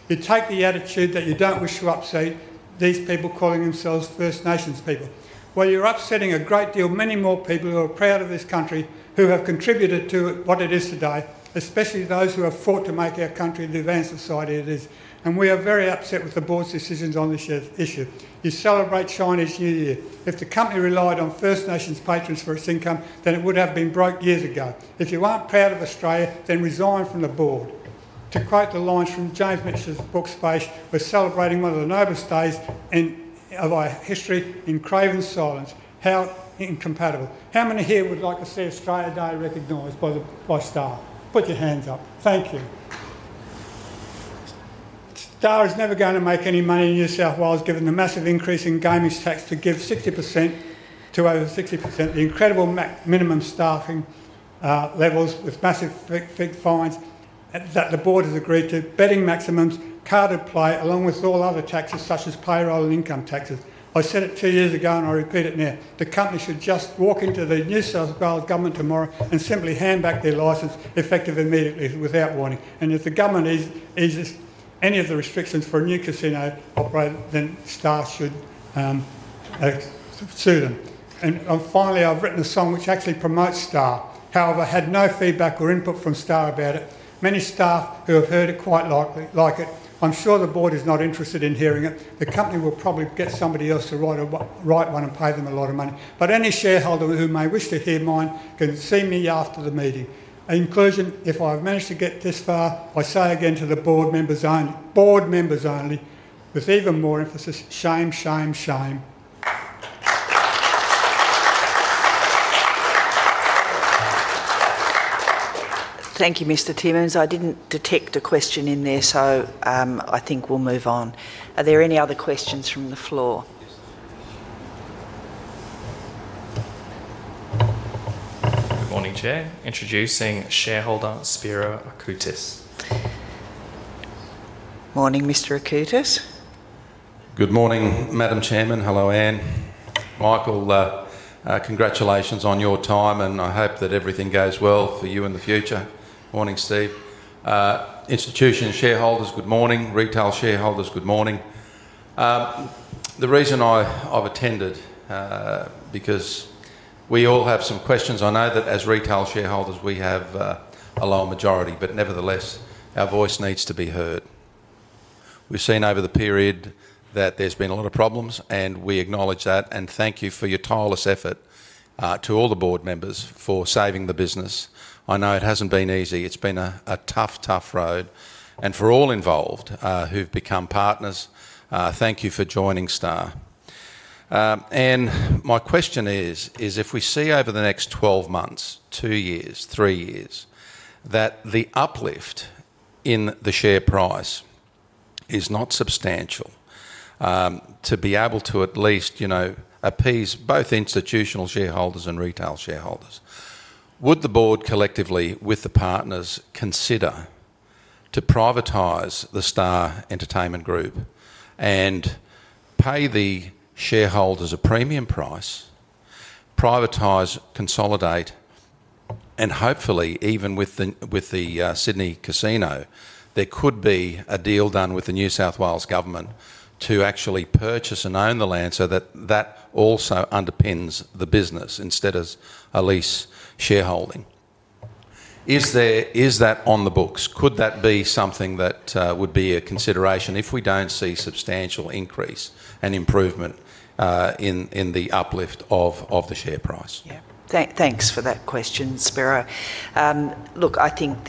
You take the attitude that you don't wish to upset these people calling themselves First Nations people. You are upsetting a great deal many more people who are proud of this country, who have contributed to what it is today, especially those who have fought to make our country the advanced society it is. We are very upset with the Board's decisions on this issue. You celebrate Chinese New Year. If the company relied on First Nations patrons for its income, then it would have been broke years ago. If you aren't proud of Australia, then resign from the Board. To quote the lines from James Michener's book Space, we're celebrating one of the noblest days of our history in craven silence. How incompatible. How many here would like to see Australia Day recognized by Star? Put your hands up. Thank you. Star is never going to make any money in New South Wales given the massive increase in gaming stats to give 60% to over 60%, the incredible minimum staffing levels with massive fake fines that the Board has agreed to, betting maximums, card reply, along with all other taxes such as payroll and income taxes. I said it two years ago, and I repeat it now. The company should just walk into the New South Wales government tomorrow and simply hand back their licence effective immediately without warning. If the government eases any of the restrictions for a new casino operator, then Star should sue them. Finally, I've written a song which actually promotes Star. However, I had no feedback or input from Star about it. Many staff who have heard it quite like it. I'm sure the Board is not interested in hearing it. The company will probably get somebody else to write one and pay them a lot of money. Any shareholder who may wish to hear mine can see me after the meeting. In conclusion, if I've managed to get this far, I say again to the Board members only, Board members only, with even more emphasis, shame, shame, shame. Thank you, Mr. Timmonds. I didn't detect a question in there, so I think we'll move on. Are there any other questions from the floor? Good morning, Chair. Introducing shareholder Spira Akutis. Morning, Mr. Akutis. Good morning, Madam Chairman. Hello, Anne. Michael, congratulations on your time, and I hope that everything goes well for you in the future. Morning, Steve. Institution shareholders, good morning. Retail shareholders, good morning. The reason I've attended is because we all have some questions. I know that as retail shareholders, we have a lower majority, but nevertheless, our voice needs to be heard. We've seen over the period that there's been a lot of problems, and we acknowledge that. Thank you for your tireless effort to all the Board members for saving the business. I know it hasn't been easy. It's been a tough, tough road. For all involved who've become partners, thank you for joining Star. Anne, my question is, if we see over the next 12 months, two years, three years, that the uplift in the share price is not substantial to be able to at least appease both institutional shareholders and retail shareholders, would the Board collectively with the partners consider to privatise the Star Entertainment Group and pay the shareholders a premium price, privatise, consolidate, and hopefully, even with the Sydney Casino, there could be a deal done with the New South Wales government to actually purchase and own the land so that that also underpins the business instead of a lease shareholding? Is that on the books? Could that be something that would be a consideration if we don't see substantial increase and improvement in the uplift of the share price? Yeah. Thanks for that question, Spira. Look, I think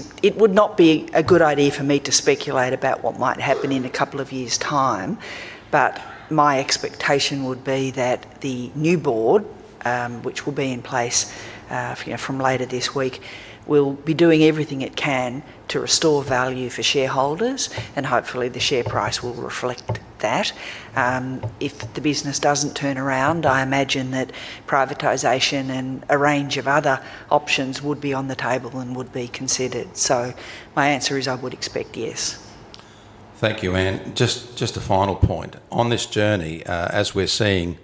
it would not be a good idea for me to speculate about what might happen in a couple of years' time, but my expectation would be that the new Board, which will be in place from later this week, will be doing everything it can to restore value for shareholders, and hopefully, the share price will reflect that. If the business doesn't turn around, I imagine that privatisation and a range of other options would be on the table and would be considered. My answer is I would expect yes. Thank you, Anne. Just a final point. On this journey, as we're seeing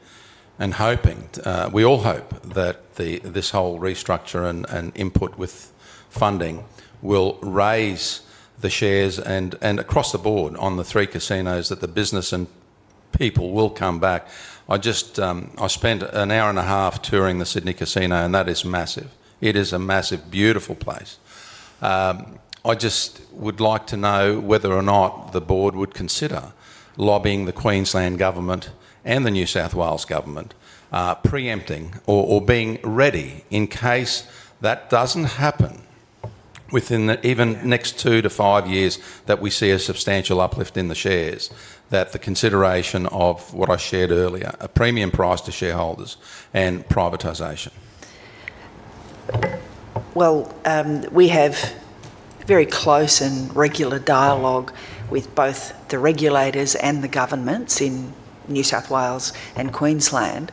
and hoping, we all hope that this whole restructure and input with funding will raise the shares and across the Board on the three casinos that the business and people will come back. I spent an hour and a half touring the Sydney Casino, and that is massive. It is a massive, beautiful place. I just would like to know whether or not the Board would consider lobbying the Queensland government and the New South Wales government, preempting or being ready in case that does not happen within even the next two to five years that we see a substantial uplift in the shares, that the consideration of what I shared earlier, a premium price to shareholders and privatisation. We have very close and regular dialogue with both the regulators and the governments in New South Wales and Queensland.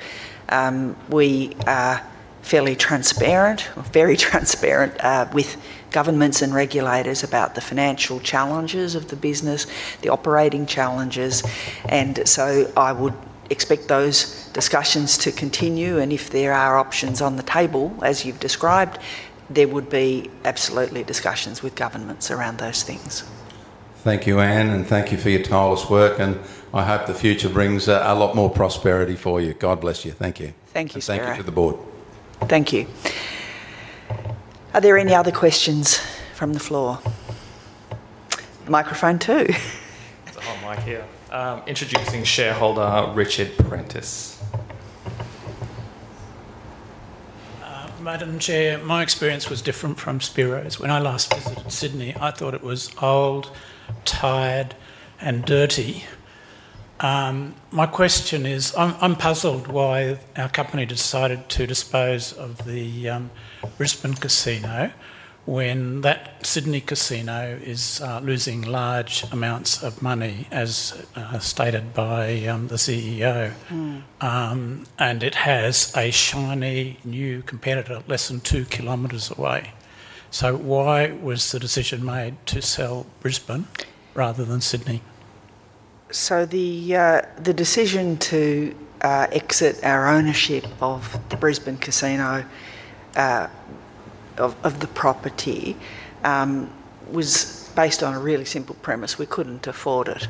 We are fairly transparent, very transparent with governments and regulators about the financial challenges of the business, the operating challenges. I would expect those discussions to continue. If there are options on the table, as you've described, there would be absolutely discussions with governments around those things. Thank you, Anne, and thank you for your tireless work. I hope the future brings a lot more prosperity for you. God bless you. Thank you. Thank you, sir. Thank you to the Board. Thank you. Are there any other questions from the floor? Microphone two. There's a hot mic here. Introducing shareholder Richard Parentis. Madam Chair, my experience was different from Spira's. When I last visited Sydney, I thought it was old, tired, and dirty. My question is, I'm puzzled why our company decided to dispose of the Brisbane Casino when that Sydney Casino is losing large amounts of money, as stated by the CEO, and it has a shiny new competitor less than two kilometers away. Why was the decision made to sell Brisbane rather than Sydney? The decision to exit our ownership of the Brisbane Casino, of the property, was based on a really simple premise. We could not afford it.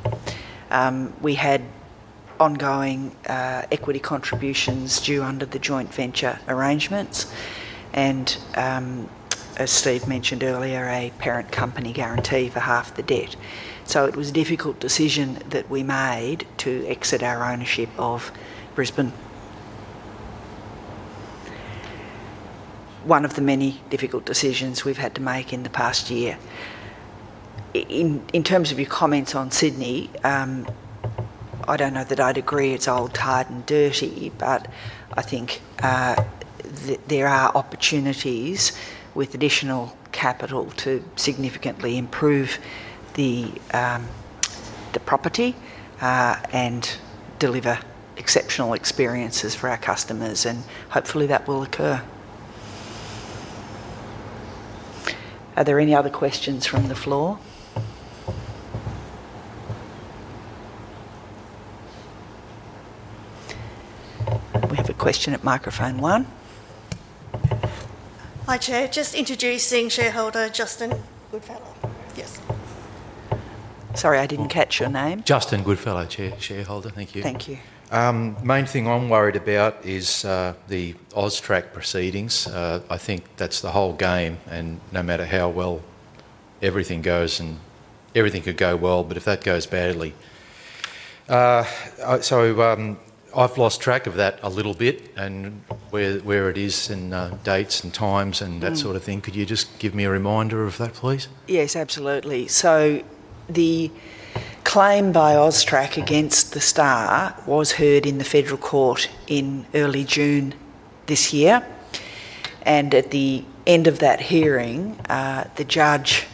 We had ongoing equity contributions due under the joint venture arrangements, and, as Steve mentioned earlier, a parent company guarantee for half the debt. It was a difficult decision that we made to exit our ownership of Brisbane. One of the many difficult decisions we have had to make in the past year. In terms of your comments on Sydney, I do not know that I would agree it is old, tired, and dirty, but I think there are opportunities with additional capital to significantly improve the property and deliver exceptional experiences for our customers. Hopefully, that will occur. Are there any other questions from the floor? We have a question at microphone one. Hi, Chair. Just introducing shareholder Justin Goodfellow. Yes. Sorry, I didn't catch your name. Justin Goodfellow, Chair, shareholder. Thank you. Thank you. The main thing I'm worried about is the AUSTRAC proceedings. I think that's the whole game, and no matter how well everything goes, and everything could go well, but if that goes badly. I've lost track of that a little bit and where it is and dates and times and that sort of thing. Could you just give me a reminder of that, please? Yes, absolutely. The claim by AUSTRAC against The Star was heard in the Federal Court in early June this year. At the end of that hearing, the judge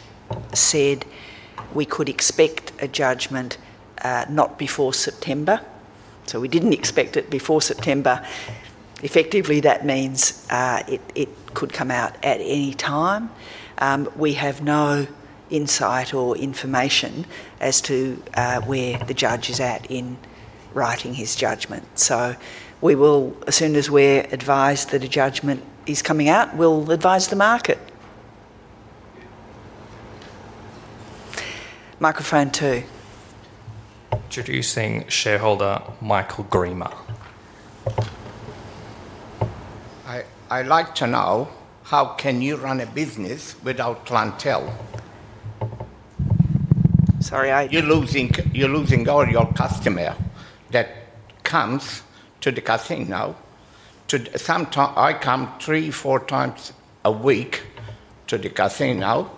said we could expect a judgment not before September. We didn't expect it before September. Effectively, that means it could come out at any time. We have no insight or information as to where the judge is at in writing his judgment. As soon as we're advised that a judgment is coming out, we'll advise the market. Microphone two. Introducing shareholder Michael Greemer. I'd like to know, how can you run a business without clientele? Sorry, I— You're losing all your customers that come to the casino. I come three, four times a week to the casino,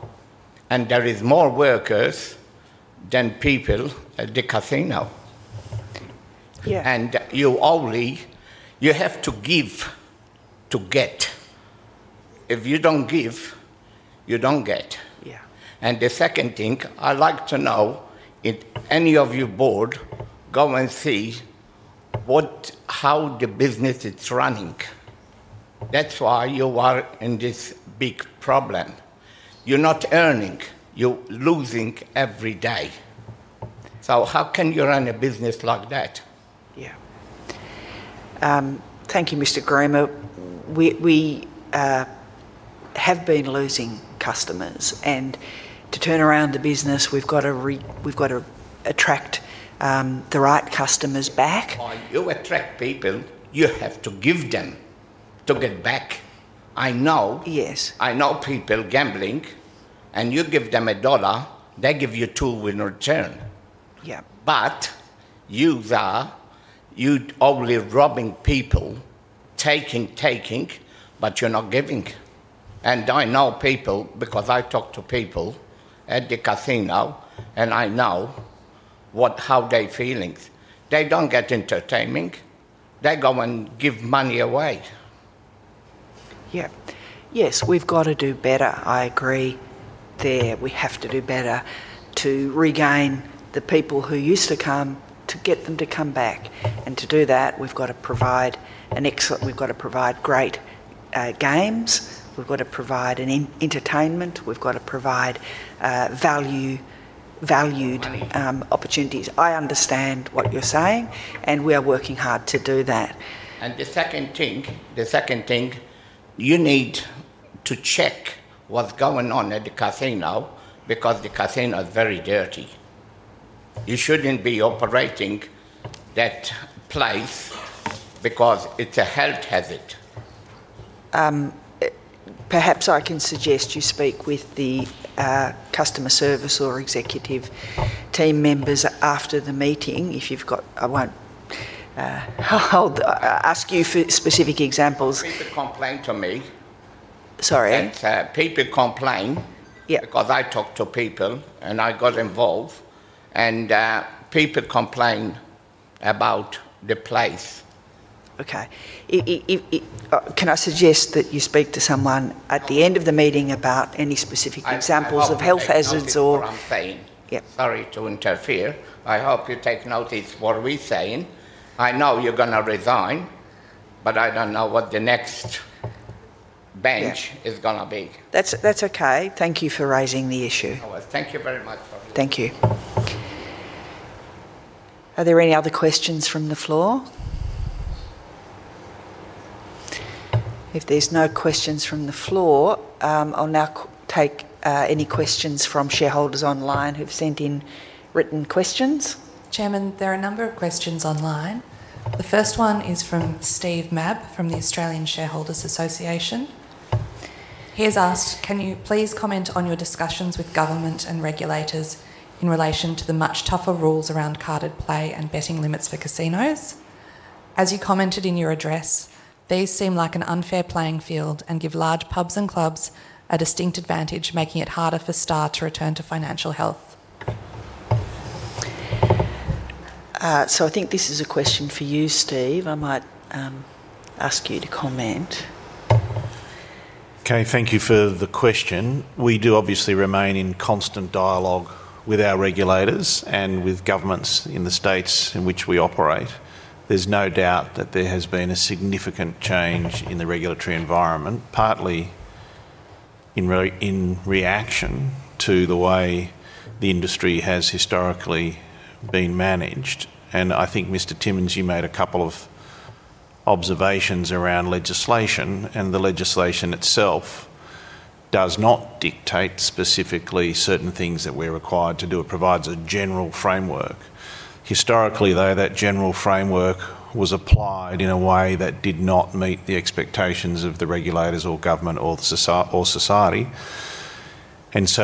and there are more workers than people at the casino. You have to give to get. If you don't give, you don't get. The second thing, I'd like to know if any of you board go and see how the business is running. That's why you are in this big problem. You're not earning. You're losing every day. How can you run a business like that? Yeah. Thank you, Mr. Greemer. We have been losing customers. To turn around the business, we've got to attract the right customers back. You attract people. You have to give them to get back. I know people gambling, and you give them a dollar, they give you two in return. You're only robbing people, taking, taking, but you're not giving. I know people because I talk to people at the casino, and I know how they're feeling. They do not get entertainment. They go and give money away. Yeah. Yes, we've got to do better. I agree there. We have to do better to regain the people who used to come to get them to come back. To do that, we've got to provide an excellent—we've got to provide great games. We've got to provide entertainment. We've got to provide valued opportunities. I understand what you're saying, and we are working hard to do that. The second thing, you need to check what's going on at the casino because the casino is very dirty. You shouldn't be operating that place because it's a health hazard. Perhaps I can suggest you speak with the customer service or executive team members after the meeting if you've got—I won't ask you for specific examples. People complain to me. Sorry. People complain because I talk to people, and I got involved, and people complain about the place. Okay. Can I suggest that you speak to someone at the end of the meeting about any specific examples of health hazards. Sorry to interfere. I hope you take notice of what we're saying. I know you're going to resign, but I don't know what the next bench is going to be. That's okay. Thank you for raising the issue. Thank you very much. Thank you. Are there any other questions from the floor? If there are no questions from the floor, I'll now take any questions from shareholders online who've sent in written questions. Chairman, there are a number of questions online. The first one is from Steve Mabb from the Australian Shareholders Association. He has asked, "Can you please comment on your discussions with government and regulators in relation to the much tougher rules around carded play and betting limits for casinos? As you commented in your address, these seem like an unfair playing field and give large pubs and clubs a distinct advantage, making it harder for Star to return to financial health." I think this is a question for you, Steve. I might ask you to comment. Okay. Thank you for the question. We do obviously remain in constant dialogue with our regulators and with governments in the states in which we operate. There is no doubt that there has been a significant change in the regulatory environment, partly in reaction to the way the industry has historically been managed. I think, Mr. Timmonds, you made a couple of observations around legislation, and the legislation itself does not dictate specifically certain things that we are required to do. It provides a general framework. Historically, though, that general framework was applied in a way that did not meet the expectations of the regulators or government or society.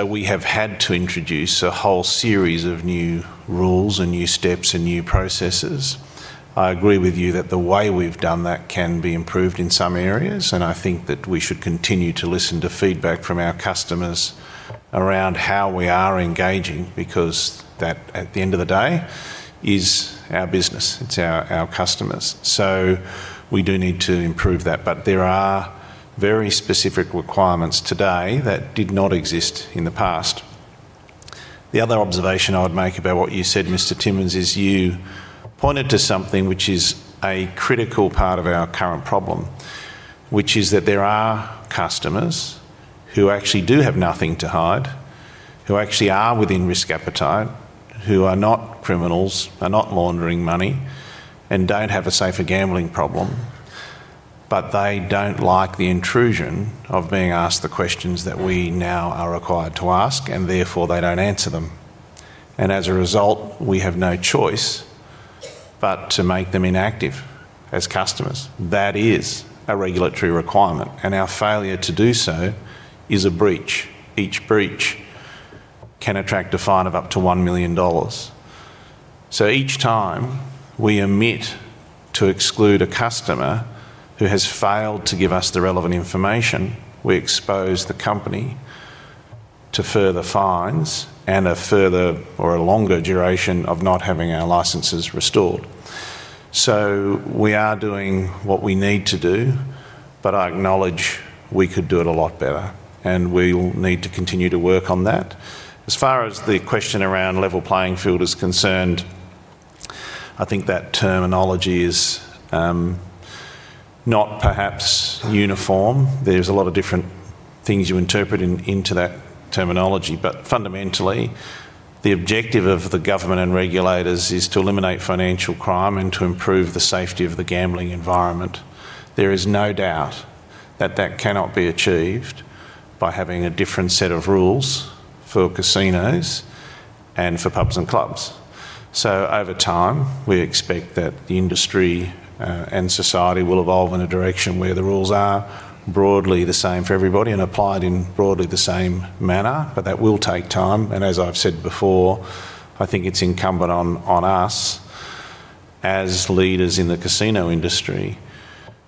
We have had to introduce a whole series of new rules and new steps and new processes. I agree with you that the way we've done that can be improved in some areas, and I think that we should continue to listen to feedback from our customers around how we are engaging because that, at the end of the day, is our business. It's our customers. We do need to improve that. There are very specific requirements today that did not exist in the past. The other observation I would make about what you said, Mr. Timmonds is you pointed to something which is a critical part of our current problem, which is that there are customers who actually do have nothing to hide, who actually are within risk appetite, who are not criminals, are not laundering money, and do not have a safer gambling problem, but they do not like the intrusion of being asked the questions that we now are required to ask, and therefore they do not answer them. As a result, we have no choice but to make them inactive as customers. That is a regulatory requirement, and our failure to do so is a breach. Each breach can attract a fine of up to 1 million dollars. Each time we omit to exclude a customer who has failed to give us the relevant information, we expose the company to further fines and a further or a longer duration of not having our licenses restored. We are doing what we need to do, but I acknowledge we could do it a lot better, and we will need to continue to work on that. As far as the question around level playing field is concerned, I think that terminology is not perhaps uniform. There are a lot of different things you interpret into that terminology. Fundamentally, the objective of the government and regulators is to eliminate financial crime and to improve the safety of the gambling environment. There is no doubt that that cannot be achieved by having a different set of rules for casinos and for pubs and clubs. Over time, we expect that the industry and society will evolve in a direction where the rules are broadly the same for everybody and applied in broadly the same manner. That will take time. As I've said before, I think it's incumbent on us as leaders in the casino industry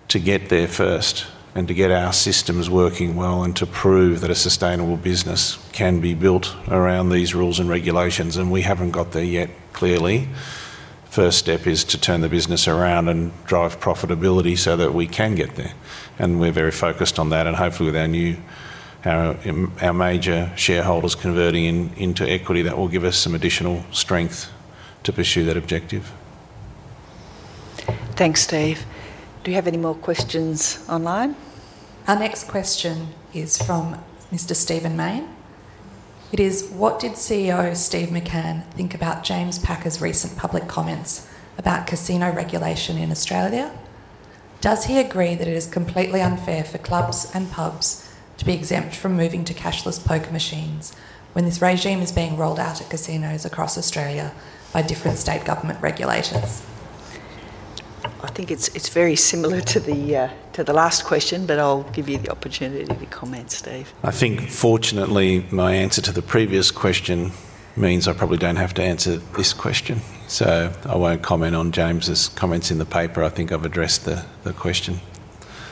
to get there first and to get our systems working well and to prove that a sustainable business can be built around these rules and regulations. We haven't got there yet, clearly. First step is to turn the business around and drive profitability so that we can get there. We're very focused on that. Hopefully, with our major shareholders converting into equity, that will give us some additional strength to pursue that objective. Thanks, Steve. Do we have any more questions online? Our next question is from Mr. Stephen Mayne. It is, "What did CEO Steve McCann think about James Packer's recent public comments about casino regulation in Australia? Does he agree that it is completely unfair for clubs and pubs to be exempt from moving to cashless poker machines when this regime is being rolled out at casinos across Australia by different state government regulators?" I think it's very similar to the last question, but I'll give you the opportunity to comment, Steve. I think, fortunately, my answer to the previous question means I probably don't have to answer this question. I won't comment on James's comments in the paper. I think I've addressed the question.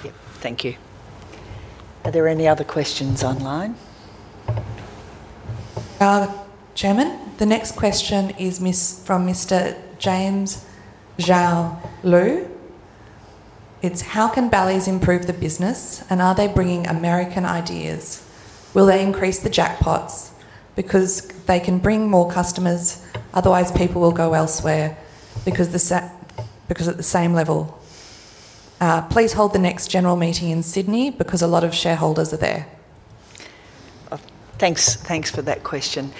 Yep. Thank you. Are there any other questions online? Chairman, the next question is from Mr. James Zhao Liu. It's, "How can Bally's improve the business, and are they bringing American ideas? Will they increase the jackpots? Because they can bring more customers, otherwise people will go elsewhere because at the same level. Please hold the next general meeting in Sydney because a lot of shareholders are there." Thanks for that question.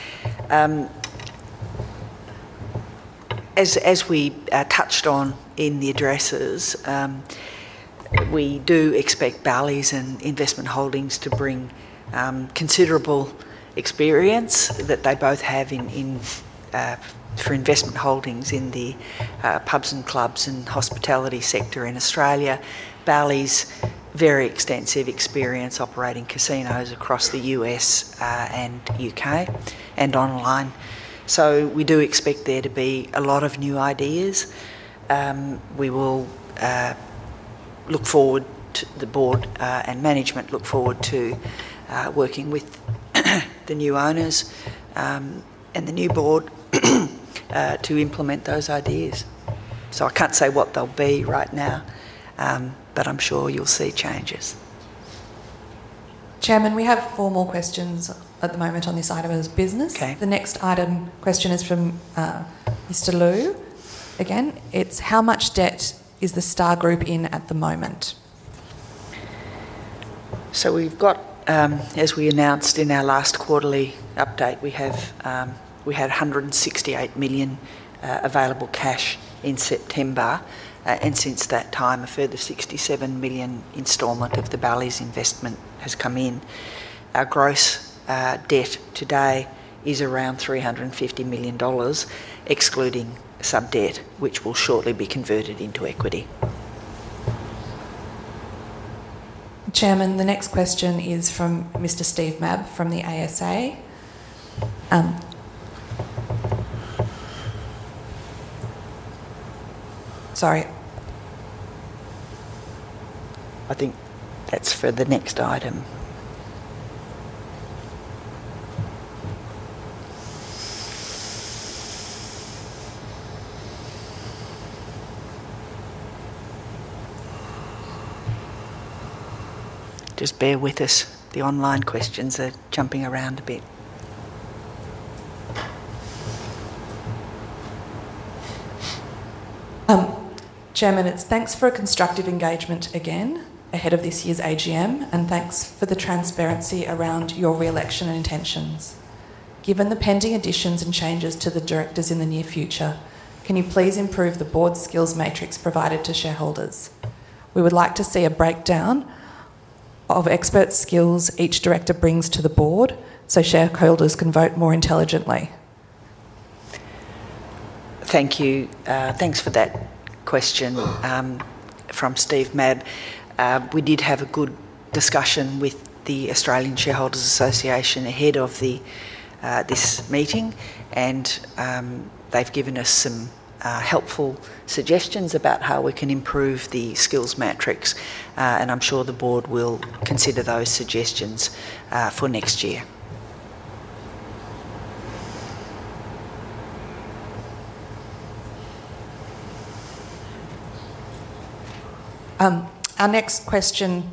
As we touched on in the addresses, we do expect Bally's and Investment Holdings to bring considerable experience that they both have for Investment Holdings in the pubs and clubs and hospitality sector in Australia. Bally's have very extensive experience operating casinos across the U.S. and U.K. and online. We do expect there to be a lot of new ideas. We will look forward to the board and management look forward to working with the new owners and the new board to implement those ideas. I can't say what they'll be right now, but I'm sure you'll see changes. Chairman, we have four more questions at the moment on this item as business. The next item question is from Mr. Liu. Again, it's, "How much debt is the Star Group in at the moment?" We have, as we announced in our last quarterly update, 168 million available cash in September. Since that time, a further 67 million installment of the Bally's investment has come in. Our gross debt today is around 350 million dollars, excluding sub-debt, which will shortly be converted into equity. Chairman, the next question is from Mr. Steve Mabb from the ASA. Sorry. I think that's for the next item. Just bear with us. The online questions are jumping around a bit. Chairman, it's thanks for a constructive engagement again ahead of this year's AGM, and thanks for the transparency around your reelection intentions. Given the pending additions and changes to the directors in the near future, can you please improve the board skills matrix provided to shareholders? We would like to see a breakdown of expert skills each director brings to the board so shareholders can vote more intelligently. Thank you. Thanks for that question from Steve Mabb. We did have a good discussion with the Australian Shareholders Association ahead of this meeting, and they have given us some helpful suggestions about how we can improve the skills matrix. I am sure the board will consider those suggestions for next year. Our next question,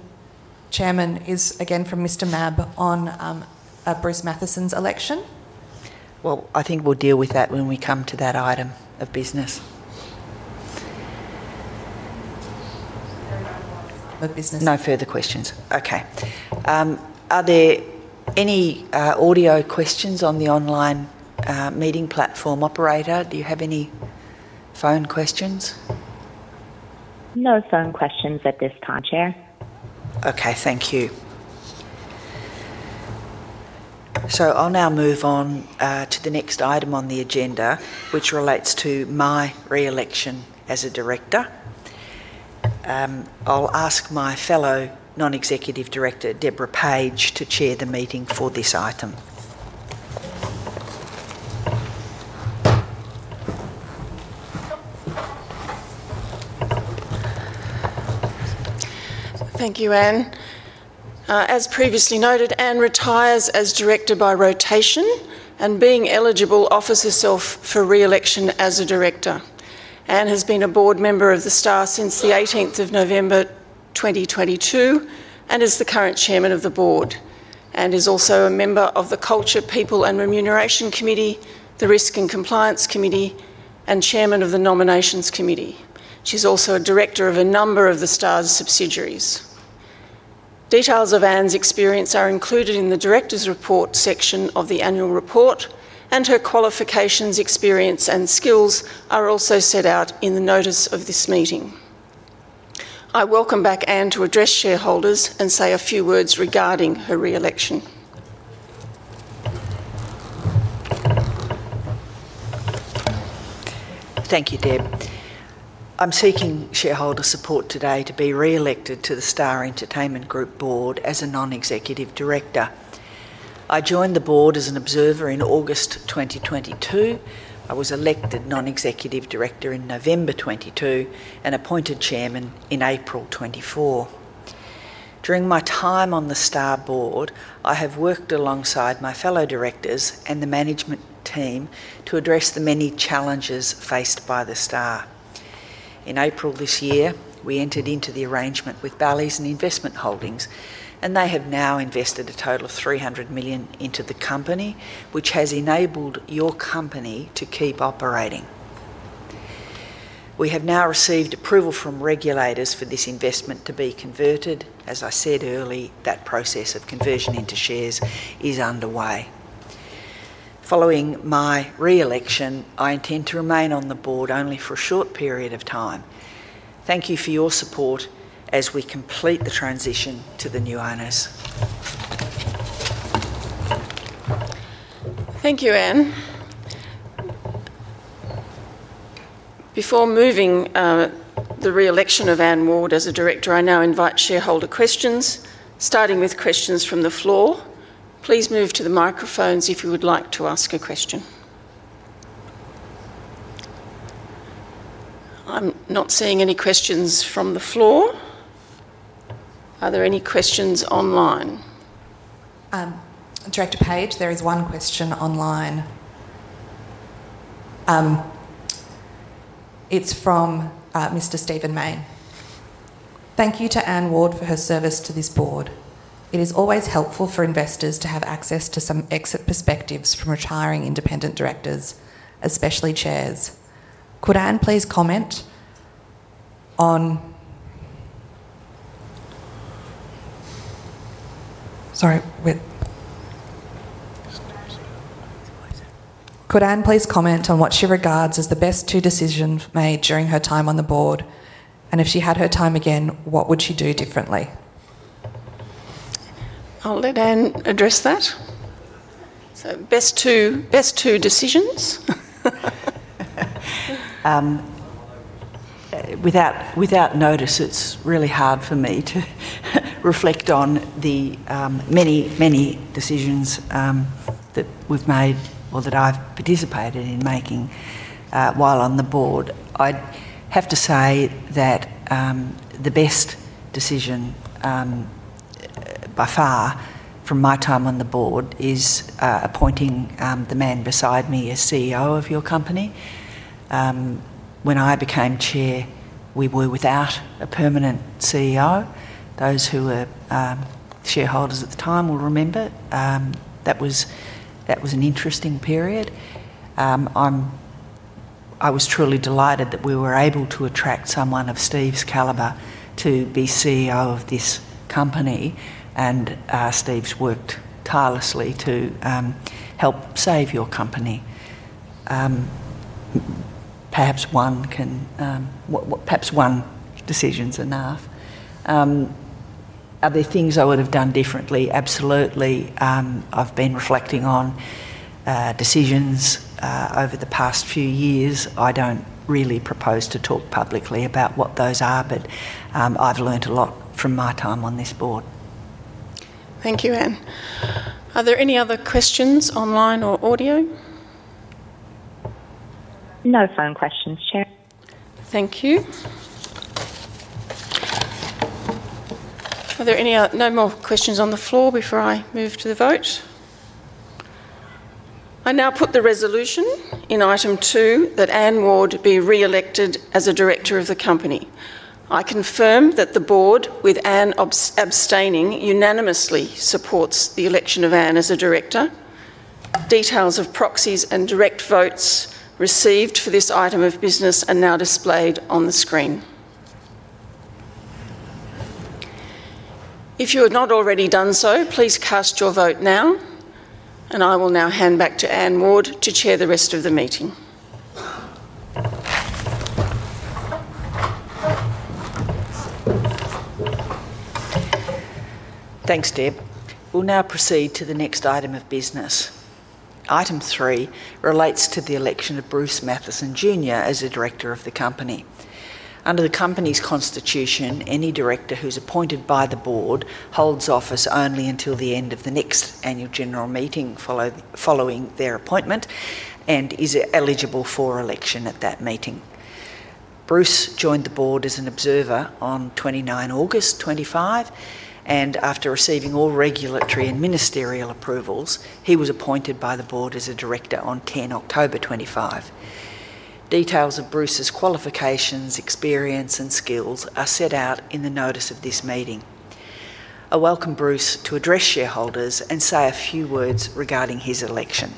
Chairman, is again from Mr. Mabb on Bruce Mathieson's election. I think we will deal with that when we come to that item of business. No further questions. Okay. Are there any audio questions on the online meeting platform operator? Do you have any phone questions? No phone questions at this time, Chair. Okay. Thank you. I will now move on to the next item on the agenda, which relates to my reelection as a director. I will ask my fellow non-executive director, Deborah Page, to chair the meeting for this item. Thank you, Anne. As previously noted, Anne retires as director by rotation and, being eligible, offers herself for reelection as a director. Anne has been a board member of the Star since the 18th of November 2022 and is the current chairman of the board. Anne is also a member of the Culture, People and Remuneration Committee, the Risk and Compliance Committee, and chairman of the Nominations Committee. She is also a director of a number of the Star's subsidiaries. Details of Anne's experience are included in the director's report section of the annual report, and her qualifications, experience, and skills are also set out in the notice of this meeting. I welcome back Anne to address shareholders and say a few words regarding her reelection. Thank you, Deb. I'm seeking shareholder support today to be reelected to the Star Entertainment Group board as a non-executive director. I joined the board as an observer in August 2022. I was elected non-executive director in November 2022 and appointed chairman in April 2024. During my time on the Star board, I have worked alongside my fellow directors and the management team to address the many challenges faced by the Star. In April this year, we entered into the arrangement with Bally's and Investment Holdings, and they have now invested a total of 300 million into the company, which has enabled your company to keep operating. We have now received approval from regulators for this investment to be converted. As I said earlier, that process of conversion into shares is underway. Following my reelection, I intend to remain on the board only for a short period of time. Thank you for your support as we complete the transition to the new owners. Thank you, Anne. Before moving the reelection of Anne Ward as a director, I now invite shareholder questions, starting with questions from the floor. Please move to the microphones if you would like to ask a question. I'm not seeing any questions from the floor. Are there any questions online? Director Page, there is one question online. It's from Mr. Stephen Mayne. Thank you to Anne Ward for her service to this board. It is always helpful for investors to have access to some exit perspectives from retiring independent directors, especially chairs. Could Anne please comment on—sorry. Could Anne please comment on what she regards as the best two decisions made during her time on the board? If she had her time again, what would she do differently? I'll let Anne address that. Best two decisions. Without notice, it's really hard for me to reflect on the many, many decisions that we've made or that I've participated in making while on the board. I'd have to say that the best decision by far from my time on the board is appointing the man beside me as CEO of your company. When I became chair, we were without a permanent CEO. Those who were shareholders at the time will remember. That was an interesting period. I was truly delighted that we were able to attract someone of Steve's calibre to be CEO of this company. Steve's worked tirelessly to help save your company. Perhaps one decision's enough. Are there things I would have done differently? Absolutely. I've been reflecting on decisions over the past few years. I don't really propose to talk publicly about what those are, but I've learned a lot from my time on this board. Thank you, Anne. Are there any other questions online or audio? No phone questions, Chair. Thank you. Are there no more questions on the floor before I move to the vote? I now put the resolution in item two that Anne Ward be reelected as a director of the company. I confirm that the board, with Anne abstaining, unanimously supports the election of Anne as a director. Details of proxies and direct votes received for this item of business are now displayed on the screen. If you have not already done so, please cast your vote now. I will now hand back to Anne Ward to chair the rest of the meeting. Thanks, Deb. We will now proceed to the next item of business. Item three relates to the election of Bruce Mathieson Jr. as a director of the company. Under the company's constitution, any director who is appointed by the board holds office only until the end of the next annual general meeting following their appointment and is eligible for election at that meeting. Bruce joined the board as an observer on 29 August 2025. After receiving all regulatory and ministerial approvals, he was appointed by the board as a director on 10 October 2025. Details of Bruce's qualifications, experience, and skills are set out in the notice of this meeting. I welcome Bruce to address shareholders and say a few words regarding his election.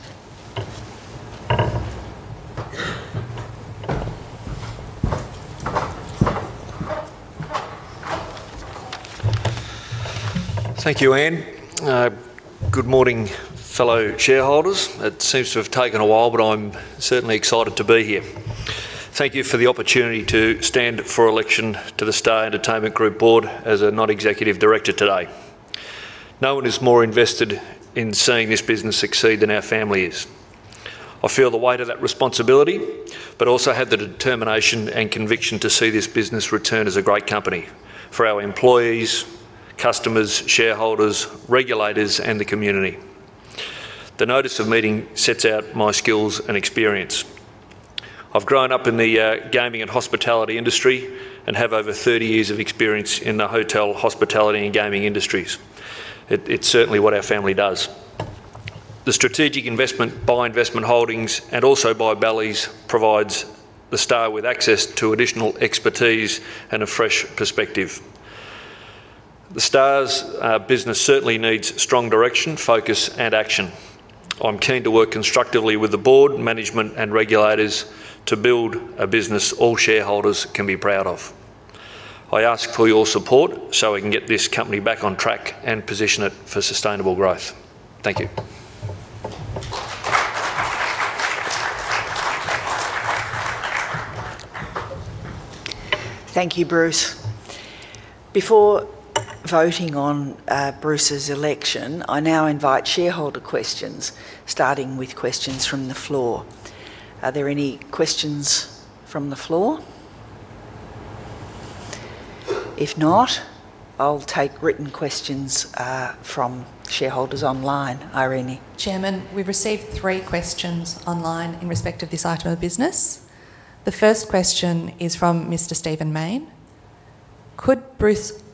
Thank you, Anne. Good morning, fellow shareholders. It seems to have taken a while, but I'm certainly excited to be here. Thank you for the opportunity to stand for election to The Star Entertainment Group board as a non-executive director today. No one is more invested in seeing this business succeed than our family is. I feel the weight of that responsibility, but also have the determination and conviction to see this business return as a great company for our employees, customers, shareholders, regulators, and the community. The notice of meeting sets out my skills and experience. I've grown up in the gaming and hospitality industry and have over 30 years of experience in the hotel, hospitality, and gaming industries. It's certainly what our family does. The strategic investment by Investment Holdings and also by Bally's provides The Star with access to additional expertise and a fresh perspective. The Star's business certainly needs strong direction, focus, and action. I'm keen to work constructively with the board, management, and regulators to build a business all shareholders can be proud of. I ask for your support so we can get this company back on track and position it for sustainable growth. Thank you. Thank you, Bruce. Before voting on Bruce's election, I now invite shareholder questions, starting with questions from the floor. Are there any questions from the floor? If not, I'll take written questions from shareholders online. Eirene? Chairman, we've received three questions online in respect of this item of business. The first question is from Mr. Stephen Mayne. Could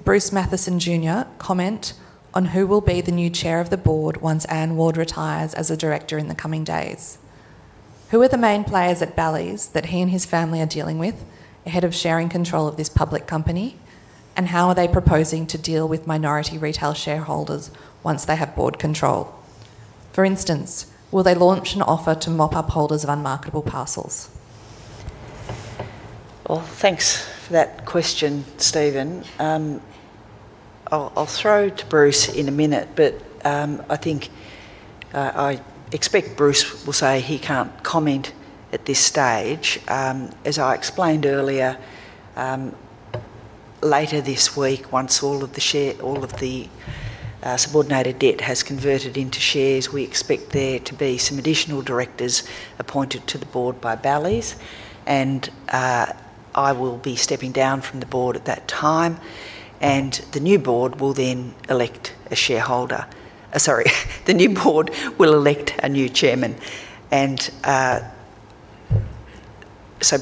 Bruce Mathieson Jr. comment on who will be the new chair of the board once Anne Ward retires as a director in the coming days? Who are the main players at Bally's that he and his family are dealing with ahead of sharing control of this public company, and how are they proposing to deal with minority retail shareholders once they have board control? For instance, will they launch an offer to mop up holders of unmarketable parcels? Thanks for that question, Stephen. I'll throw to Bruce in a minute, but I think I expect Bruce will say he can't comment at this stage. As I explained earlier, later this week, once all of the subordinated debt has converted into shares, we expect there to be some additional directors appointed to the board by Bally's. I will be stepping down from the board at that time. The new board will then elect a shareholder—sorry, the new board will elect a new chairman.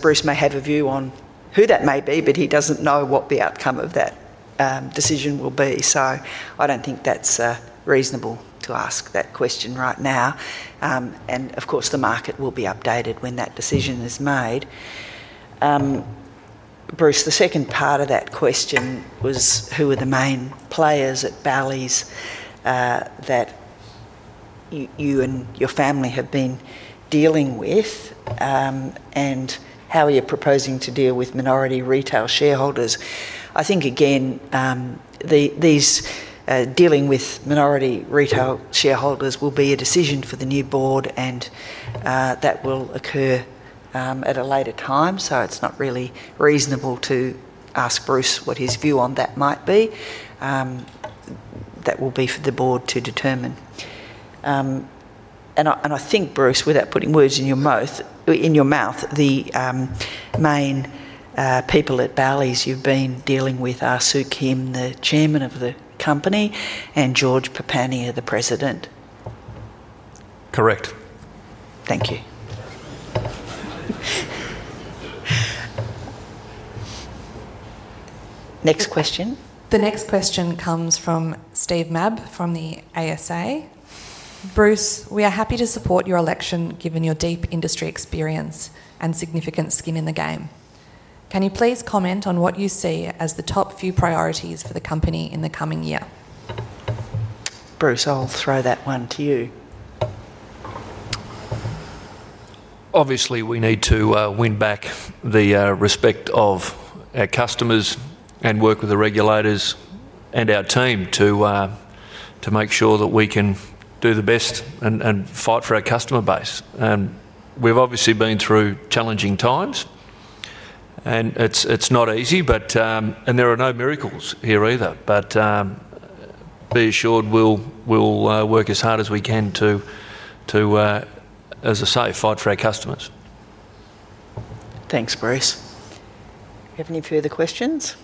Bruce may have a view on who that may be, but he doesn't know what the outcome of that decision will be. I don't think that's reasonable to ask that question right now. Of course, the market will be updated when that decision is made. Bruce, the second part of that question was who are the main players at Bally's that you and your family have been dealing with and how you're proposing to deal with minority retail shareholders. I think, again, dealing with minority retail shareholders will be a decision for the new board, and that will occur at a later time. It is not really reasonable to ask Bruce what his view on that might be. That will be for the board to determine. I think, Bruce, without putting words in your mouth, the main people at Bally's you have been dealing with are Soo Kim, the chairman of the company, and George Papanier, the president. Correct. Thank you. Next question. The next question comes from Steve Mabb from the ASA. Bruce, we are happy to support your election given your deep industry experience and significant skin in the game. Can you please comment on what you see as the top few priorities for the company in the coming year? Bruce, I'll throw that one to you. Obviously, we need to win back the respect of our customers and work with the regulators and our team to make sure that we can do the best and fight for our customer base. We have obviously been through challenging times. It is not easy, and there are no miracles here either. Be assured we will work as hard as we can to, as I say, fight for our customers. Thanks, Bruce. Do we have any further questions?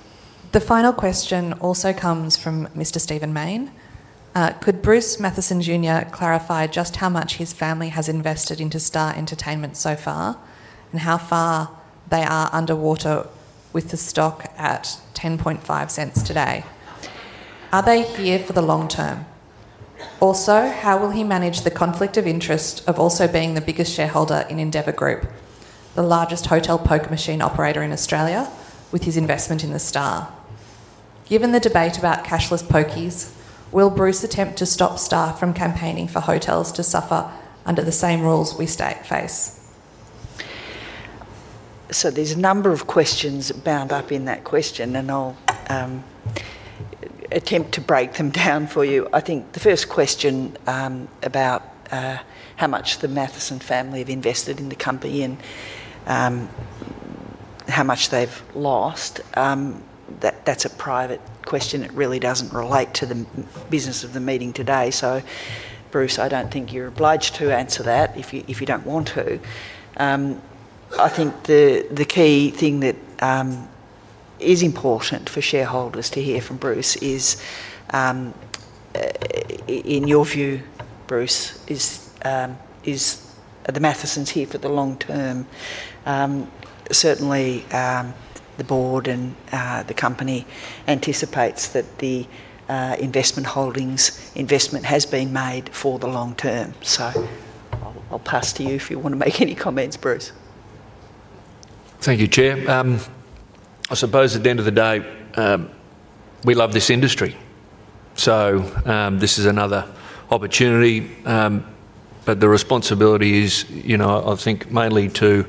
The final question also comes from Mr. Stephen Mayne. Could Bruce Mathieson Jr. clarify just how much his family has invested into Star Entertainment so far and how far they are underwater with the stock at 10.50 today? Are they here for the long term? Also, how will he manage the conflict of interest of also being the biggest shareholder in Endeavour Group, the largest hotel poker machine operator in Australia, with his investment in the Star? Given the debate about cashless pokies, will Bruce attempt to stop Star from campaigning for hotels to suffer under the same rules we face? There are a number of questions bound up in that question, and I'll attempt to break them down for you. I think the first question about how much the Mathieson family have invested in the company and how much they've lost, that's a private question. It really doesn't relate to the business of the meeting today. Bruce, I don't think you're obliged to answer that if you don't want to. I think the key thing that is important for shareholders to hear from Bruce is, in your view, Bruce, are the Mathiesons here for the long term? Certainly, the board and the company anticipate that the Investment Holdings investment has been made for the long term. I will pass to you if you want to make any comments, Bruce. Thank you, Chair. I suppose at the end of the day, we love this industry. This is another opportunity. The responsibility is, I think, mainly to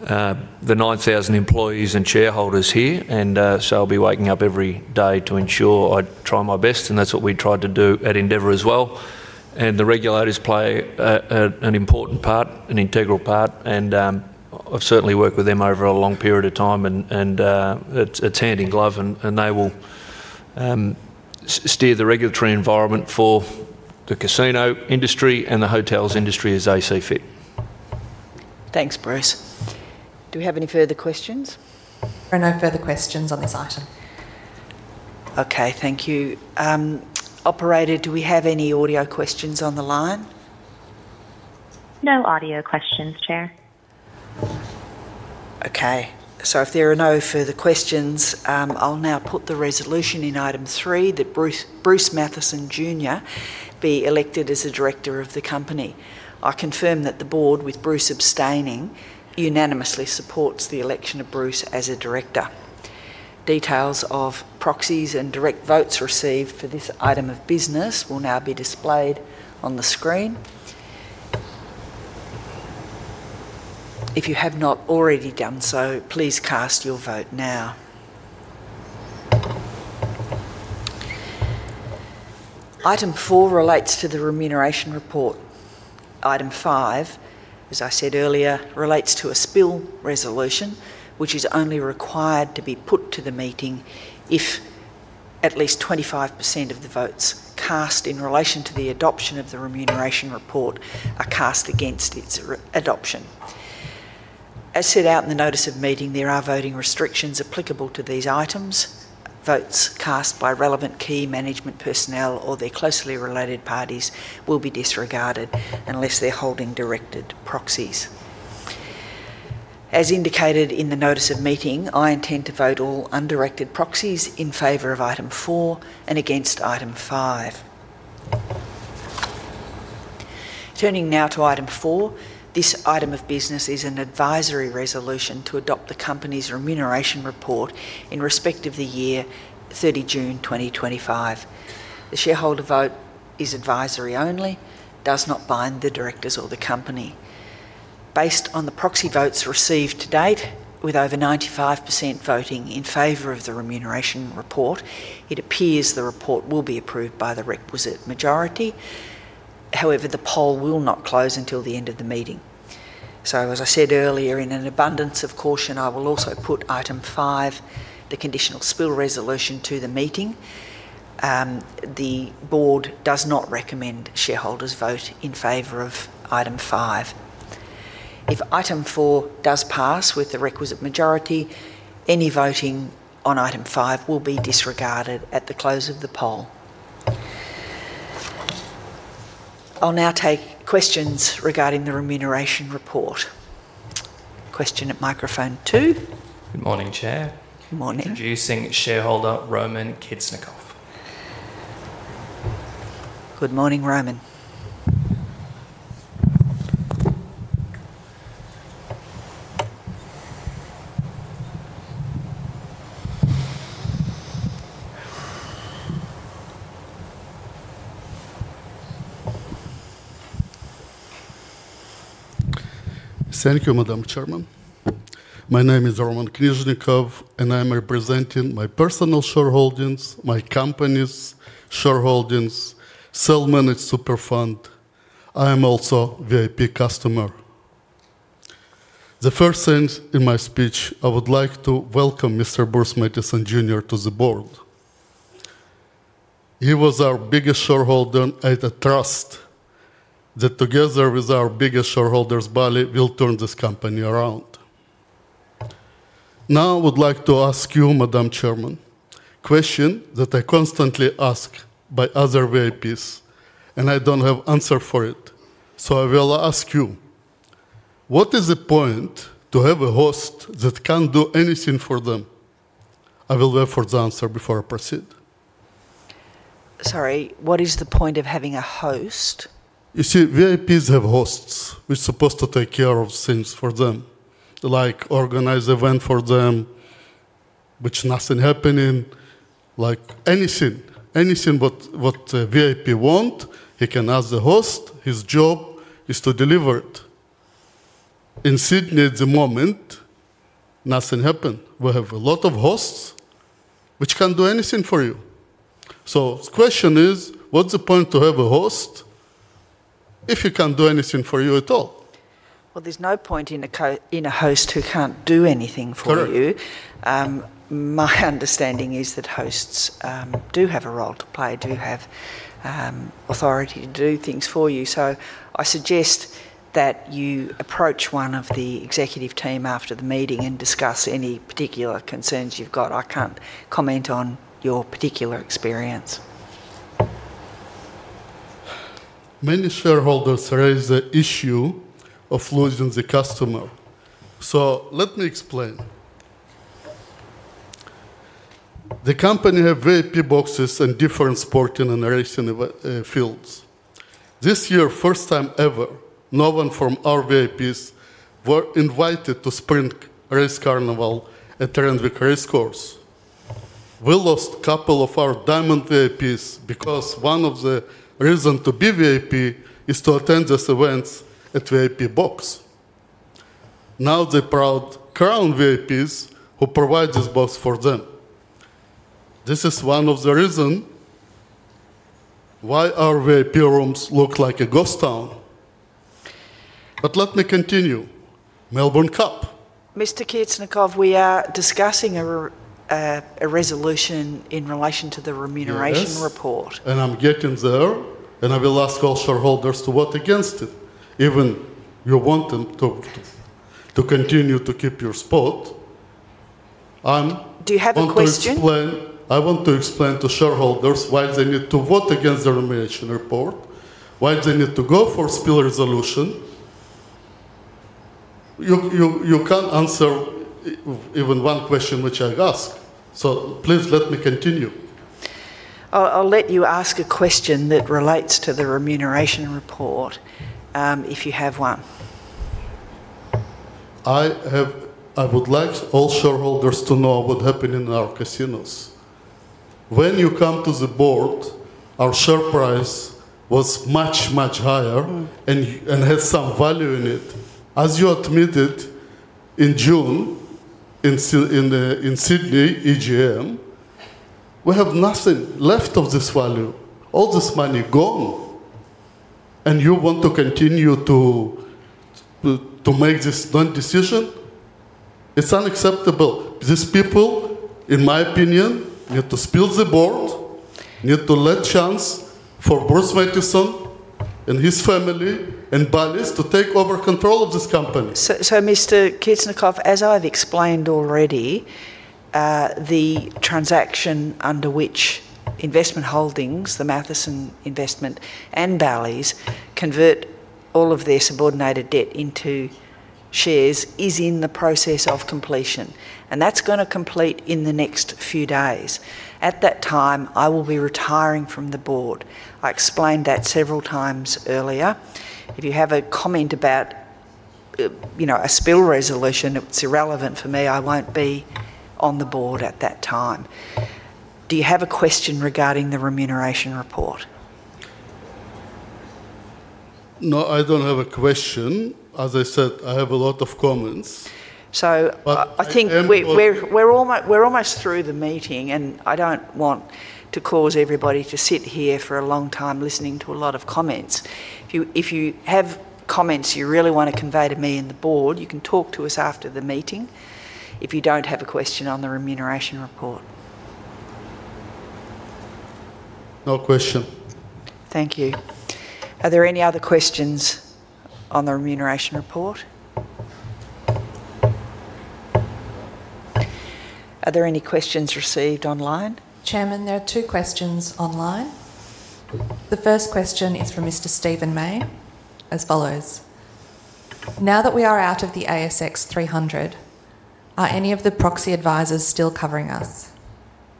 the 9,000 employees and shareholders here. I will be waking up every day to ensure I try my best. That is what we tried to do at Endeavour as well. The regulators play an important part, an integral part. I have certainly worked with them over a long period of time. It is hand in glove. They will steer the regulatory environment for the casino industry and the hotels industry as they see fit. Thanks, Bruce. Do we have any further questions? There are no further questions on this item. Thank you. Operator, do we have any audio questions on the line? No audio questions, Chair. If there are no further questions, I will now put the resolution in item three that Bruce Mathieson Jr. be elected as a director of the company. I confirm that the board, with Bruce abstaining, unanimously supports the election of Bruce as a director. Details of proxies and direct votes received for this item of business will now be displayed on the screen. If you have not already done so, please cast your vote now. Item four relates to the remuneration report. Item five, as I said earlier, relates to a spill resolution, which is only required to be put to the meeting if at least 25% of the votes cast in relation to the adoption of the remuneration report are cast against its adoption. As set out in the notice of meeting, there are voting restrictions applicable to these items. Votes cast by relevant key management personnel or their closely related parties will be disregarded unless they're holding directed proxies. As indicated in the notice of meeting, I intend to vote all undirected proxies in favor of item four and against item five. Turning now to item four, this item of business is an advisory resolution to adopt the company's remuneration report in respect of the year 30 June 2025. The shareholder vote is advisory only, does not bind the directors or the company. Based on the proxy votes received to date, with over 95% voting in favor of the remuneration report, it appears the report will be approved by the requisite majority. However, the poll will not close until the end of the meeting. As I said earlier, in an abundance of caution, I will also put item five, the conditional spill resolution, to the meeting. The board does not recommend shareholders vote in favor of item five. If item four does pass with the requisite majority, any voting on item five will be disregarded at the close of the poll. I'll now take questions regarding the remuneration report. Question at microphone two. Good morning, Chair. Good morning. Introducing shareholder Roman Kitsnikov. Good morning, Roman. Thank you, Madam Chairman. My name is Roman Kitsnikov, and I'm representing my personal shareholdings, my company's shareholdings, Selman and Superfund. I am also a VIP customer. The first thing in my speech, I would like to welcome Mr. Bruce Mathieson Jr. to the board. He was our biggest shareholder at a trust that, together with our biggest shareholders, Bally's, will turn this company around. Now, I would like to ask you, Madam Chairman, a question that I constantly ask by other VIPs, and I don't have an answer for it. I will ask you, what is the point to have a host that can't do anything for them? I will wait for the answer before I proceed. Sorry, what is the point of having a host? You see, VIPs have hosts who are supposed to take care of things for them, like organize events for them, which is nothing happening, like anything. Anything that a VIP wants, he can ask the host. His job is to deliver it. In Sydney at the moment, nothing happened. We have a lot of hosts which can't do anything for you. The question is, what's the point to have a host if he can't do anything for you at all? There's no point in a host who can't do anything for you. My understanding is that hosts do have a role to play, do have authority to do things for you. I suggest that you approach one of the executive team after the meeting and discuss any particular concerns you've got. I can't comment on your particular experience. Many shareholders raise the issue of losing the customer. Let me explain. The company has VIP boxes in different sporting and racing fields. This year, first time ever, no one from our VIPs was invited to Spring Race Carnival at Randwick Racecourse. We lost a couple of our diamond VIPs because one of the reasons to be VIP is to attend these events at VIP box. Now they're proud Crown VIPs who provide this box for them. This is one of the reasons why our VIP rooms look like a ghost town. Let me continue. Melbourne Cup. Mr. Kitsnikov, we are discussing a resolution in relation to the remuneration report. I'm getting there, and I will ask all shareholders to vote against it, even if you want them to continue to keep your spot. I'm going to explain. Do you have a question? I want to explain to shareholders why they need to vote against the remuneration report, why they need to go for a spill resolution. You can't answer even one question which I ask. Please let me continue. I'll let you ask a question that relates to the remuneration report, if you have one. I would like all shareholders to know what happened in our casinos. When you come to the board, our share price was much, much higher and had some value in it. As you admitted in June in Sydney, EGM, we have nothing left of this value, all this money gone. You want to continue to make this decision? It's unacceptable. These people, in my opinion, need to spill the board, need to let chance for Bruce Mathieson and his family and Bally's to take over control of this company. Mr. Kitsnikov, as I've explained already, the transaction under which Investment Holdings, the Mathieson investment and Bally's, convert all of their subordinated debt into shares is in the process of completion. That's going to complete in the next few days. At that time, I will be retiring from the board. I explained that several times earlier. If you have a comment about a spill resolution, it's irrelevant for me. I won't be on the board at that time. Do you have a question regarding the remuneration report? No, I don't have a question. As I said, I have a lot of comments. I think we're almost through the meeting, and I don't want to cause everybody to sit here for a long time listening to a lot of comments. If you have comments you really want to convey to me and the board, you can talk to us after the meeting if you don't have a question on the remuneration report. No question. Thank you. Are there any other questions on the remuneration report? Are there any questions received online? Chairman, there are two questions online. The first question is for Mr. Stephen Mayne as follows. Now that we are out of the ASX 300, are any of the proxy advisors still covering us?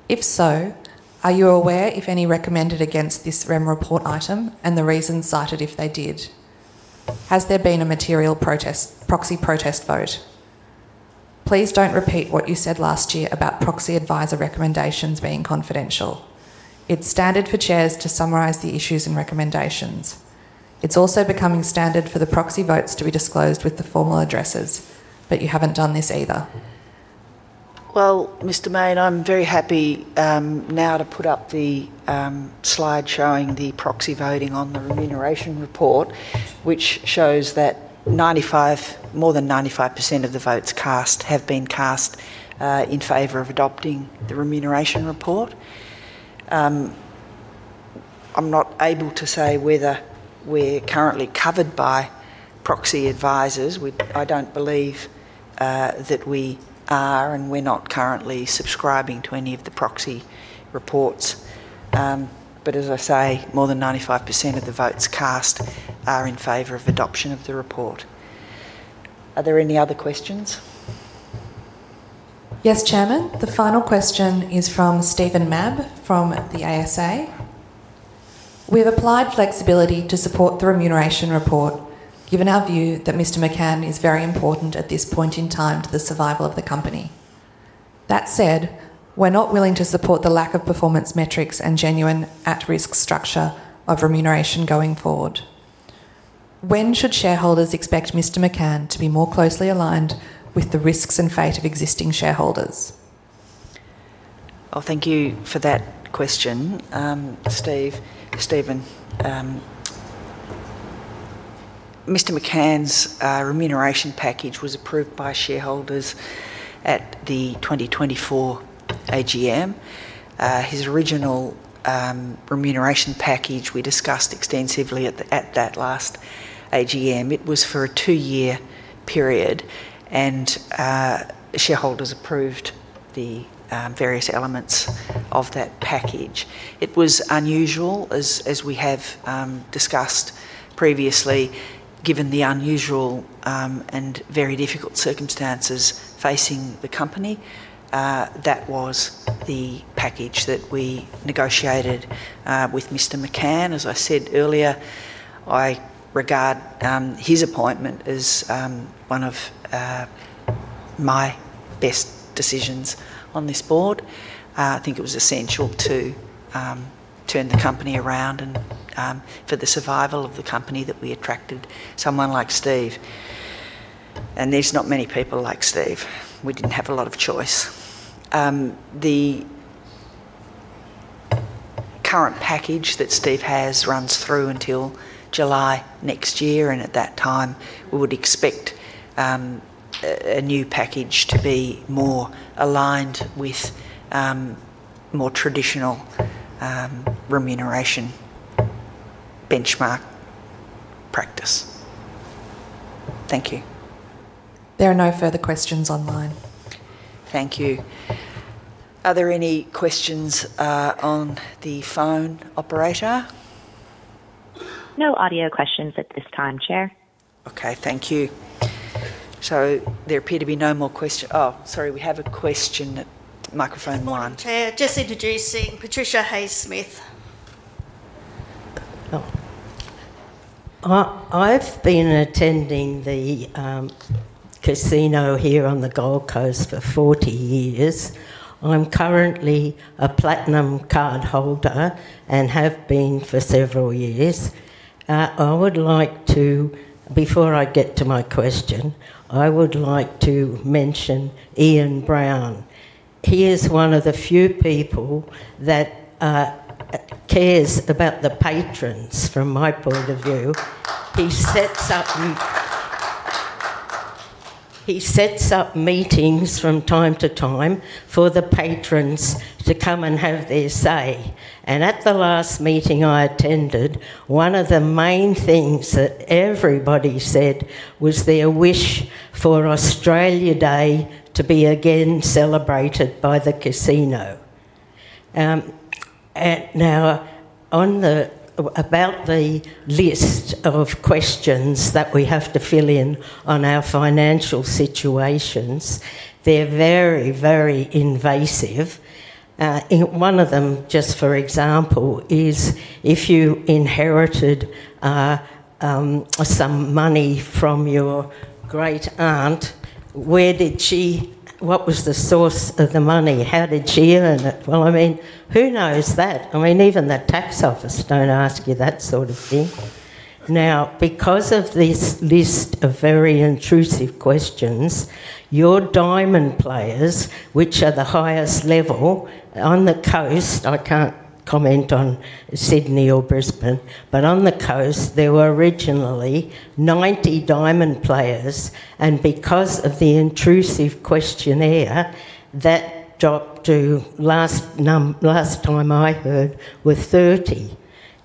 If so, are you aware if any recommended against this Rem report item and the reasons cited if they did? Has there been a material proxy protest vote? Please do not repeat what you said last year about proxy advisor recommendations being confidential. It is standard for chairs to summarize the issues and recommendations. It is also becoming standard for the proxy votes to be disclosed with the formal addressers, but you have not done this either. Mr. Main, I am very happy now to put up the slide showing the proxy voting on the remuneration report, which shows that more than 95% of the votes cast have been cast in favor of adopting the remuneration report. I'm not able to say whether we're currently covered by proxy advisors. I don't believe that we are, and we're not currently subscribing to any of the proxy reports. As I say, more than 95% of the votes cast are in favor of adoption of the report. Are there any other questions? Yes, Chairman. The final question is from Steven Mabb from the ASA. We've applied flexibility to support the remuneration report, given our view that Mr. McCann is very important at this point in time to the survival of the company. That said, we're not willing to support the lack of performance metrics and genuine at-risk structure of remuneration going forward. When should shareholders expect Mr. McCann to be more closely aligned with the risks and fate of existing shareholders? Thank you for that question, Steve. Mr. McCann's remuneration package was approved by shareholders at the 2024 AGM. His original remuneration package we discussed extensively at that last AGM, it was for a two-year period, and shareholders approved the various elements of that package. It was unusual, as we have discussed previously, given the unusual and very difficult circumstances facing the company. That was the package that we negotiated with Mr. McCann. As I said earlier, I regard his appointment as one of my best decisions on this board. I think it was essential to turn the company around and for the survival of the company that we attracted someone like Steve. There are not many people like Steve. We did not have a lot of choice. The current package that Steve has runs through until July next year, and at that time, we would expect a new package to be more aligned with more traditional remuneration benchmark practice. Thank you. There are no further questions online. Thank you. Are there any questions on the phone operator? No audio questions at this time, Chair. Thank you. There appear to be no more questions. Oh, sorry, we have a question at microphone one. Just introducing Patricia Hayes-Smith. I've been attending the casino here on the Gold Coast for 40 years. I'm currently a Platinum cardholder and have been for several years. I would like to, before I get to my question, I would like to mention Ian Brown. He is one of the few people that cares about the patrons from my point of view. He sets up meetings from time to time for the patrons to come and have their say. At the last meeting I attended, one of the main things that everybody said was their wish for Australia Day to be again celebrated by the casino. Now, about the list of questions that we have to fill in on our financial situations, they're very, very invasive. One of them, just for example, is if you inherited some money from your great aunt, what was the source of the money? How did she earn it? I mean, who knows that? I mean, even the tax office don't ask you that sort of thing. Now, because of this list of very intrusive questions, your diamond players, which are the highest level on the coast—I can't comment on Sydney or Brisbane—but on the coast, there were originally 90 diamond players, and because of the intrusive questionnaire that dropped to last time I heard, were 30.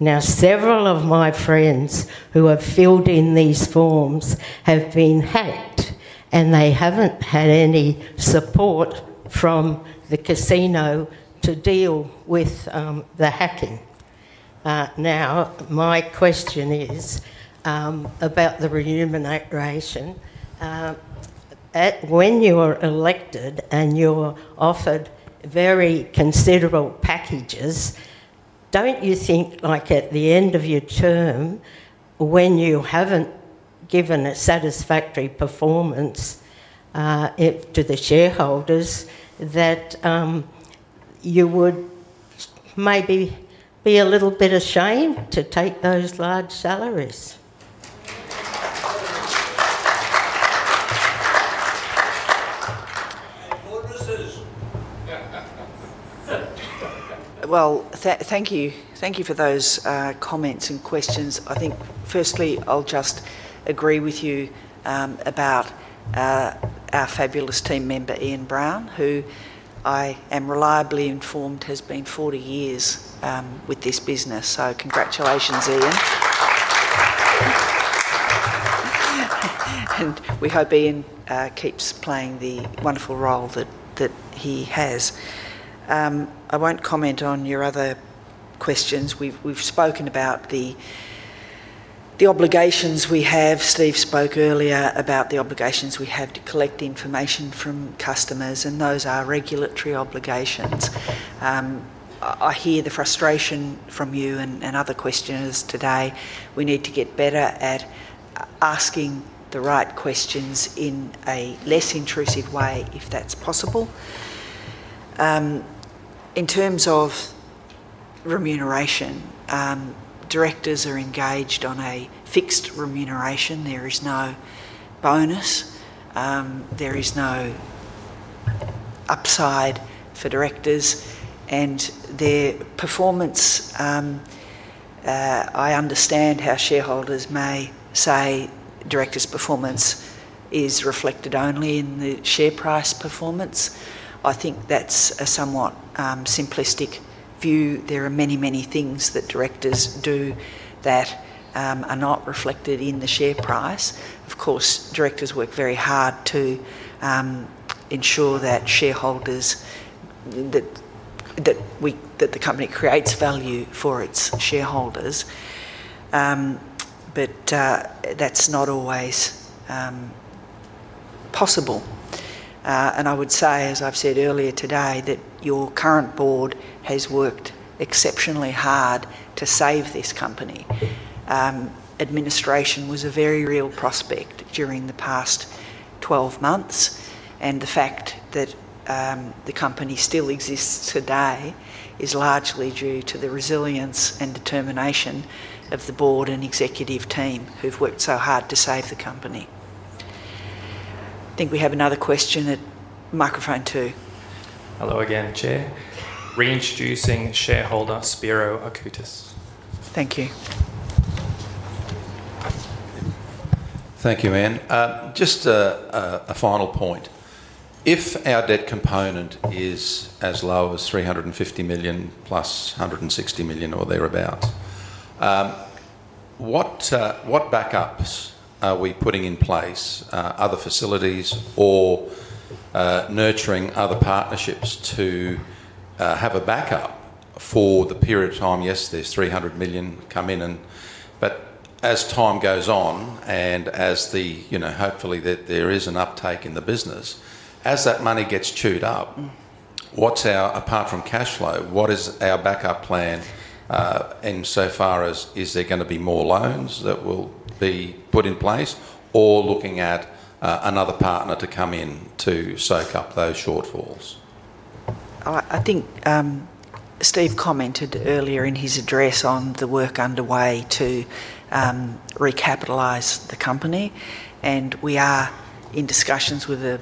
Now, several of my friends who have filled in these forms have been hacked, and they haven't had any support from the casino to deal with the hacking. Now, my question is about the remuneration. When you are elected and you're offered very considerable packages, don't you think, like at the end of your term, when you haven't given a satisfactory performance to the shareholders, that you would maybe be a little bit ashamed to take those large salaries? Thank you. Thank you for those comments and questions. I think, firstly, I'll just agree with you about our fabulous team member, Ian Brown, who I am reliably informed has been 40 years with this business. Congratulations, Ian. We hope Ian keeps playing the wonderful role that he has. I won't comment on your other questions. We've spoken about the obligations we have. Steve spoke earlier about the obligations we have to collect information from customers, and those are regulatory obligations. I hear the frustration from you and other questioners today. We need to get better at asking the right questions in a less intrusive way, if that's possible. In terms of remuneration, directors are engaged on a fixed remuneration. There is no bonus. There is no upside for directors. Their performance—I understand how shareholders may say directors' performance is reflected only in the share price performance. I think that's a somewhat simplistic view. There are many, many things that directors do that are not reflected in the share price. Of course, directors work very hard to ensure that shareholders—that the company creates value for its shareholders. That is not always possible. I would say, as I have said earlier today, that your current board has worked exceptionally hard to save this company. Administration was a very real prospect during the past 12 months, and the fact that the company still exists today is largely due to the resilience and determination of the board and executive team who have worked so hard to save the company. I think we have another question at microphone two. Hello again, Chair. Reintroducing shareholder Spira Akutis. Thank you. Thank you, Anne. Just a final point. If our debt component is as low as 350 million + 160 million or thereabouts, what backups are we putting in place? Other facilities or nurturing other partnerships to have a backup for the period of time, yes, there's 300 million come in and as time goes on and as the hopefully there is an uptake in the business, as that money gets chewed up, what's our apart from cash flow, what is our backup plan in so far as is there going to be more loans that will be put in place or looking at another partner to come in to soak up those shortfalls? I think Steve commented earlier in his address on the work underway to recapitalise the company, and we are in discussions with a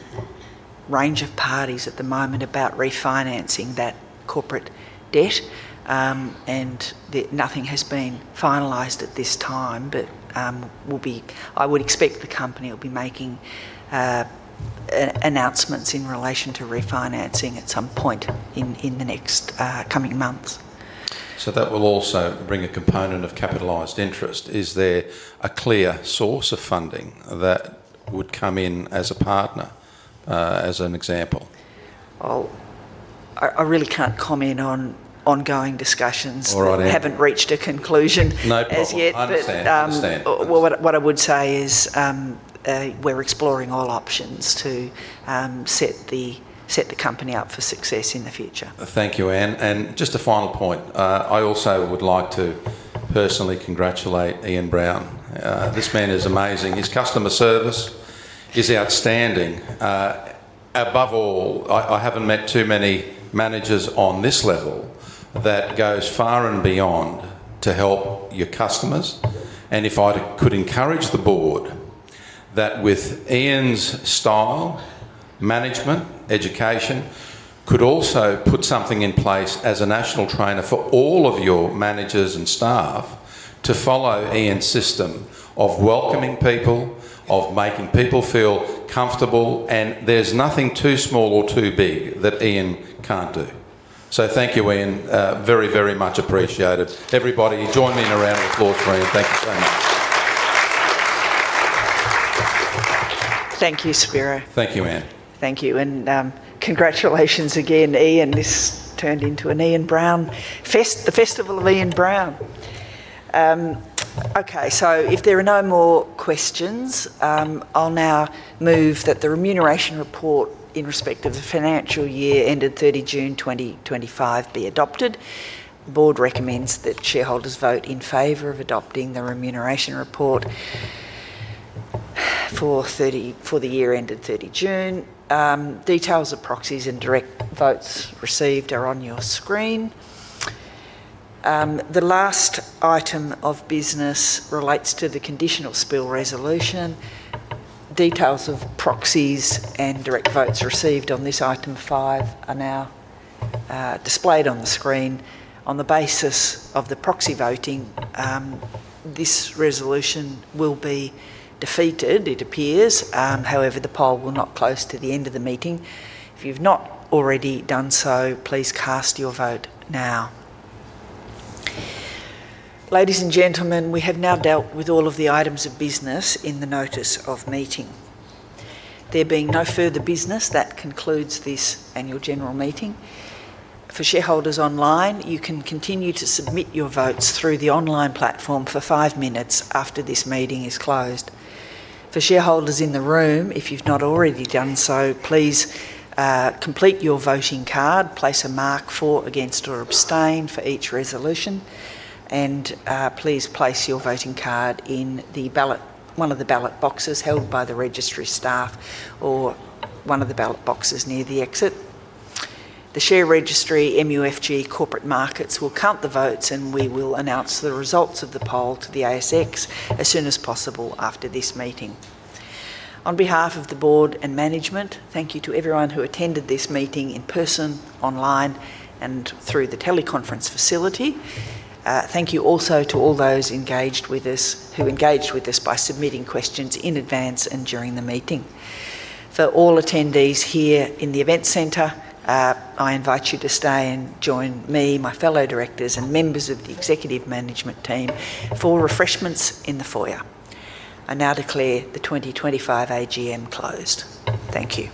range of parties at the moment about refinancing that corporate debt, and nothing has been finalised at this time, but I would expect the company will be making announcements in relation to refinancing at some point in the next coming months. That will also bring a component of capitalized interest. Is there a clear source of funding that would come in as a partner, as an example? I really can't comment on ongoing discussions. All right. No problem. We haven't reached a conclusion as yet, but what I would say is we're exploring all options to set the company up for success in the future. Thank you, Ian. Just a final point. I also would like to personally congratulate Ian Brown. This man is amazing. His customer service is outstanding. Above all, I haven't met too many managers on this level that goes far and beyond to help your customers. If I could encourage the board that with Ian's style, management, education, could also put something in place as a national trainer for all of your managers and staff to follow Ian's system of welcoming people, of making people feel comfortable, and there's nothing too small or too big that Ian can't do. Thank you, Ian. Very, very much appreciated. Everybody, join me in a round of applause for Ian. Thank you so much. Thank you, Spira. Thank you, Anne. Thank you. Congratulations again, Ian. This turned into an Ian Brown Fest, the Festival of Ian Brown. If there are no more questions, I'll now move that the remuneration report in respect of the financial year ended 30 June 2025 be adopted. The board recommends that shareholders vote in favor of adopting the remuneration report for the year ended 30 June. Details of proxies and direct votes received are on your screen. The last item of business relates to the conditional spill resolution. Details of proxies and direct votes received on this item five are now displayed on the screen. On the basis of the proxy voting, this resolution will be defeated, it appears. However, the poll will not close until the end of the meeting. If you've not already done so, please cast your vote now. Ladies and gentlemen, we have now dealt with all of the items of business in the notice of meeting. There being no further business, that concludes this annual general meeting. For shareholders online, you can continue to submit your votes through the online platform for five minutes after this meeting is closed. For shareholders in the room, if you've not already done so, please complete your voting card, place a mark for, against, or abstain for each resolution, and please place your voting card in one of the ballot boxes held by the registry staff or one of the ballot boxes near the exit. The share registry MUFG Corporate Markets will count the votes, and we will announce the results of the poll to the ASX as soon as possible after this meeting. On behalf of the Board and management, thank you to everyone who attended this meeting in person, online, and through the teleconference facility. Thank you also to all those who engaged with us by submitting questions in advance and during the meeting. For all attendees here in the event centre, I invite you to stay and join me, my fellow directors, and members of the executive management team for refreshments in the foyer. I now declare the 2025 AGM closed. Thank you.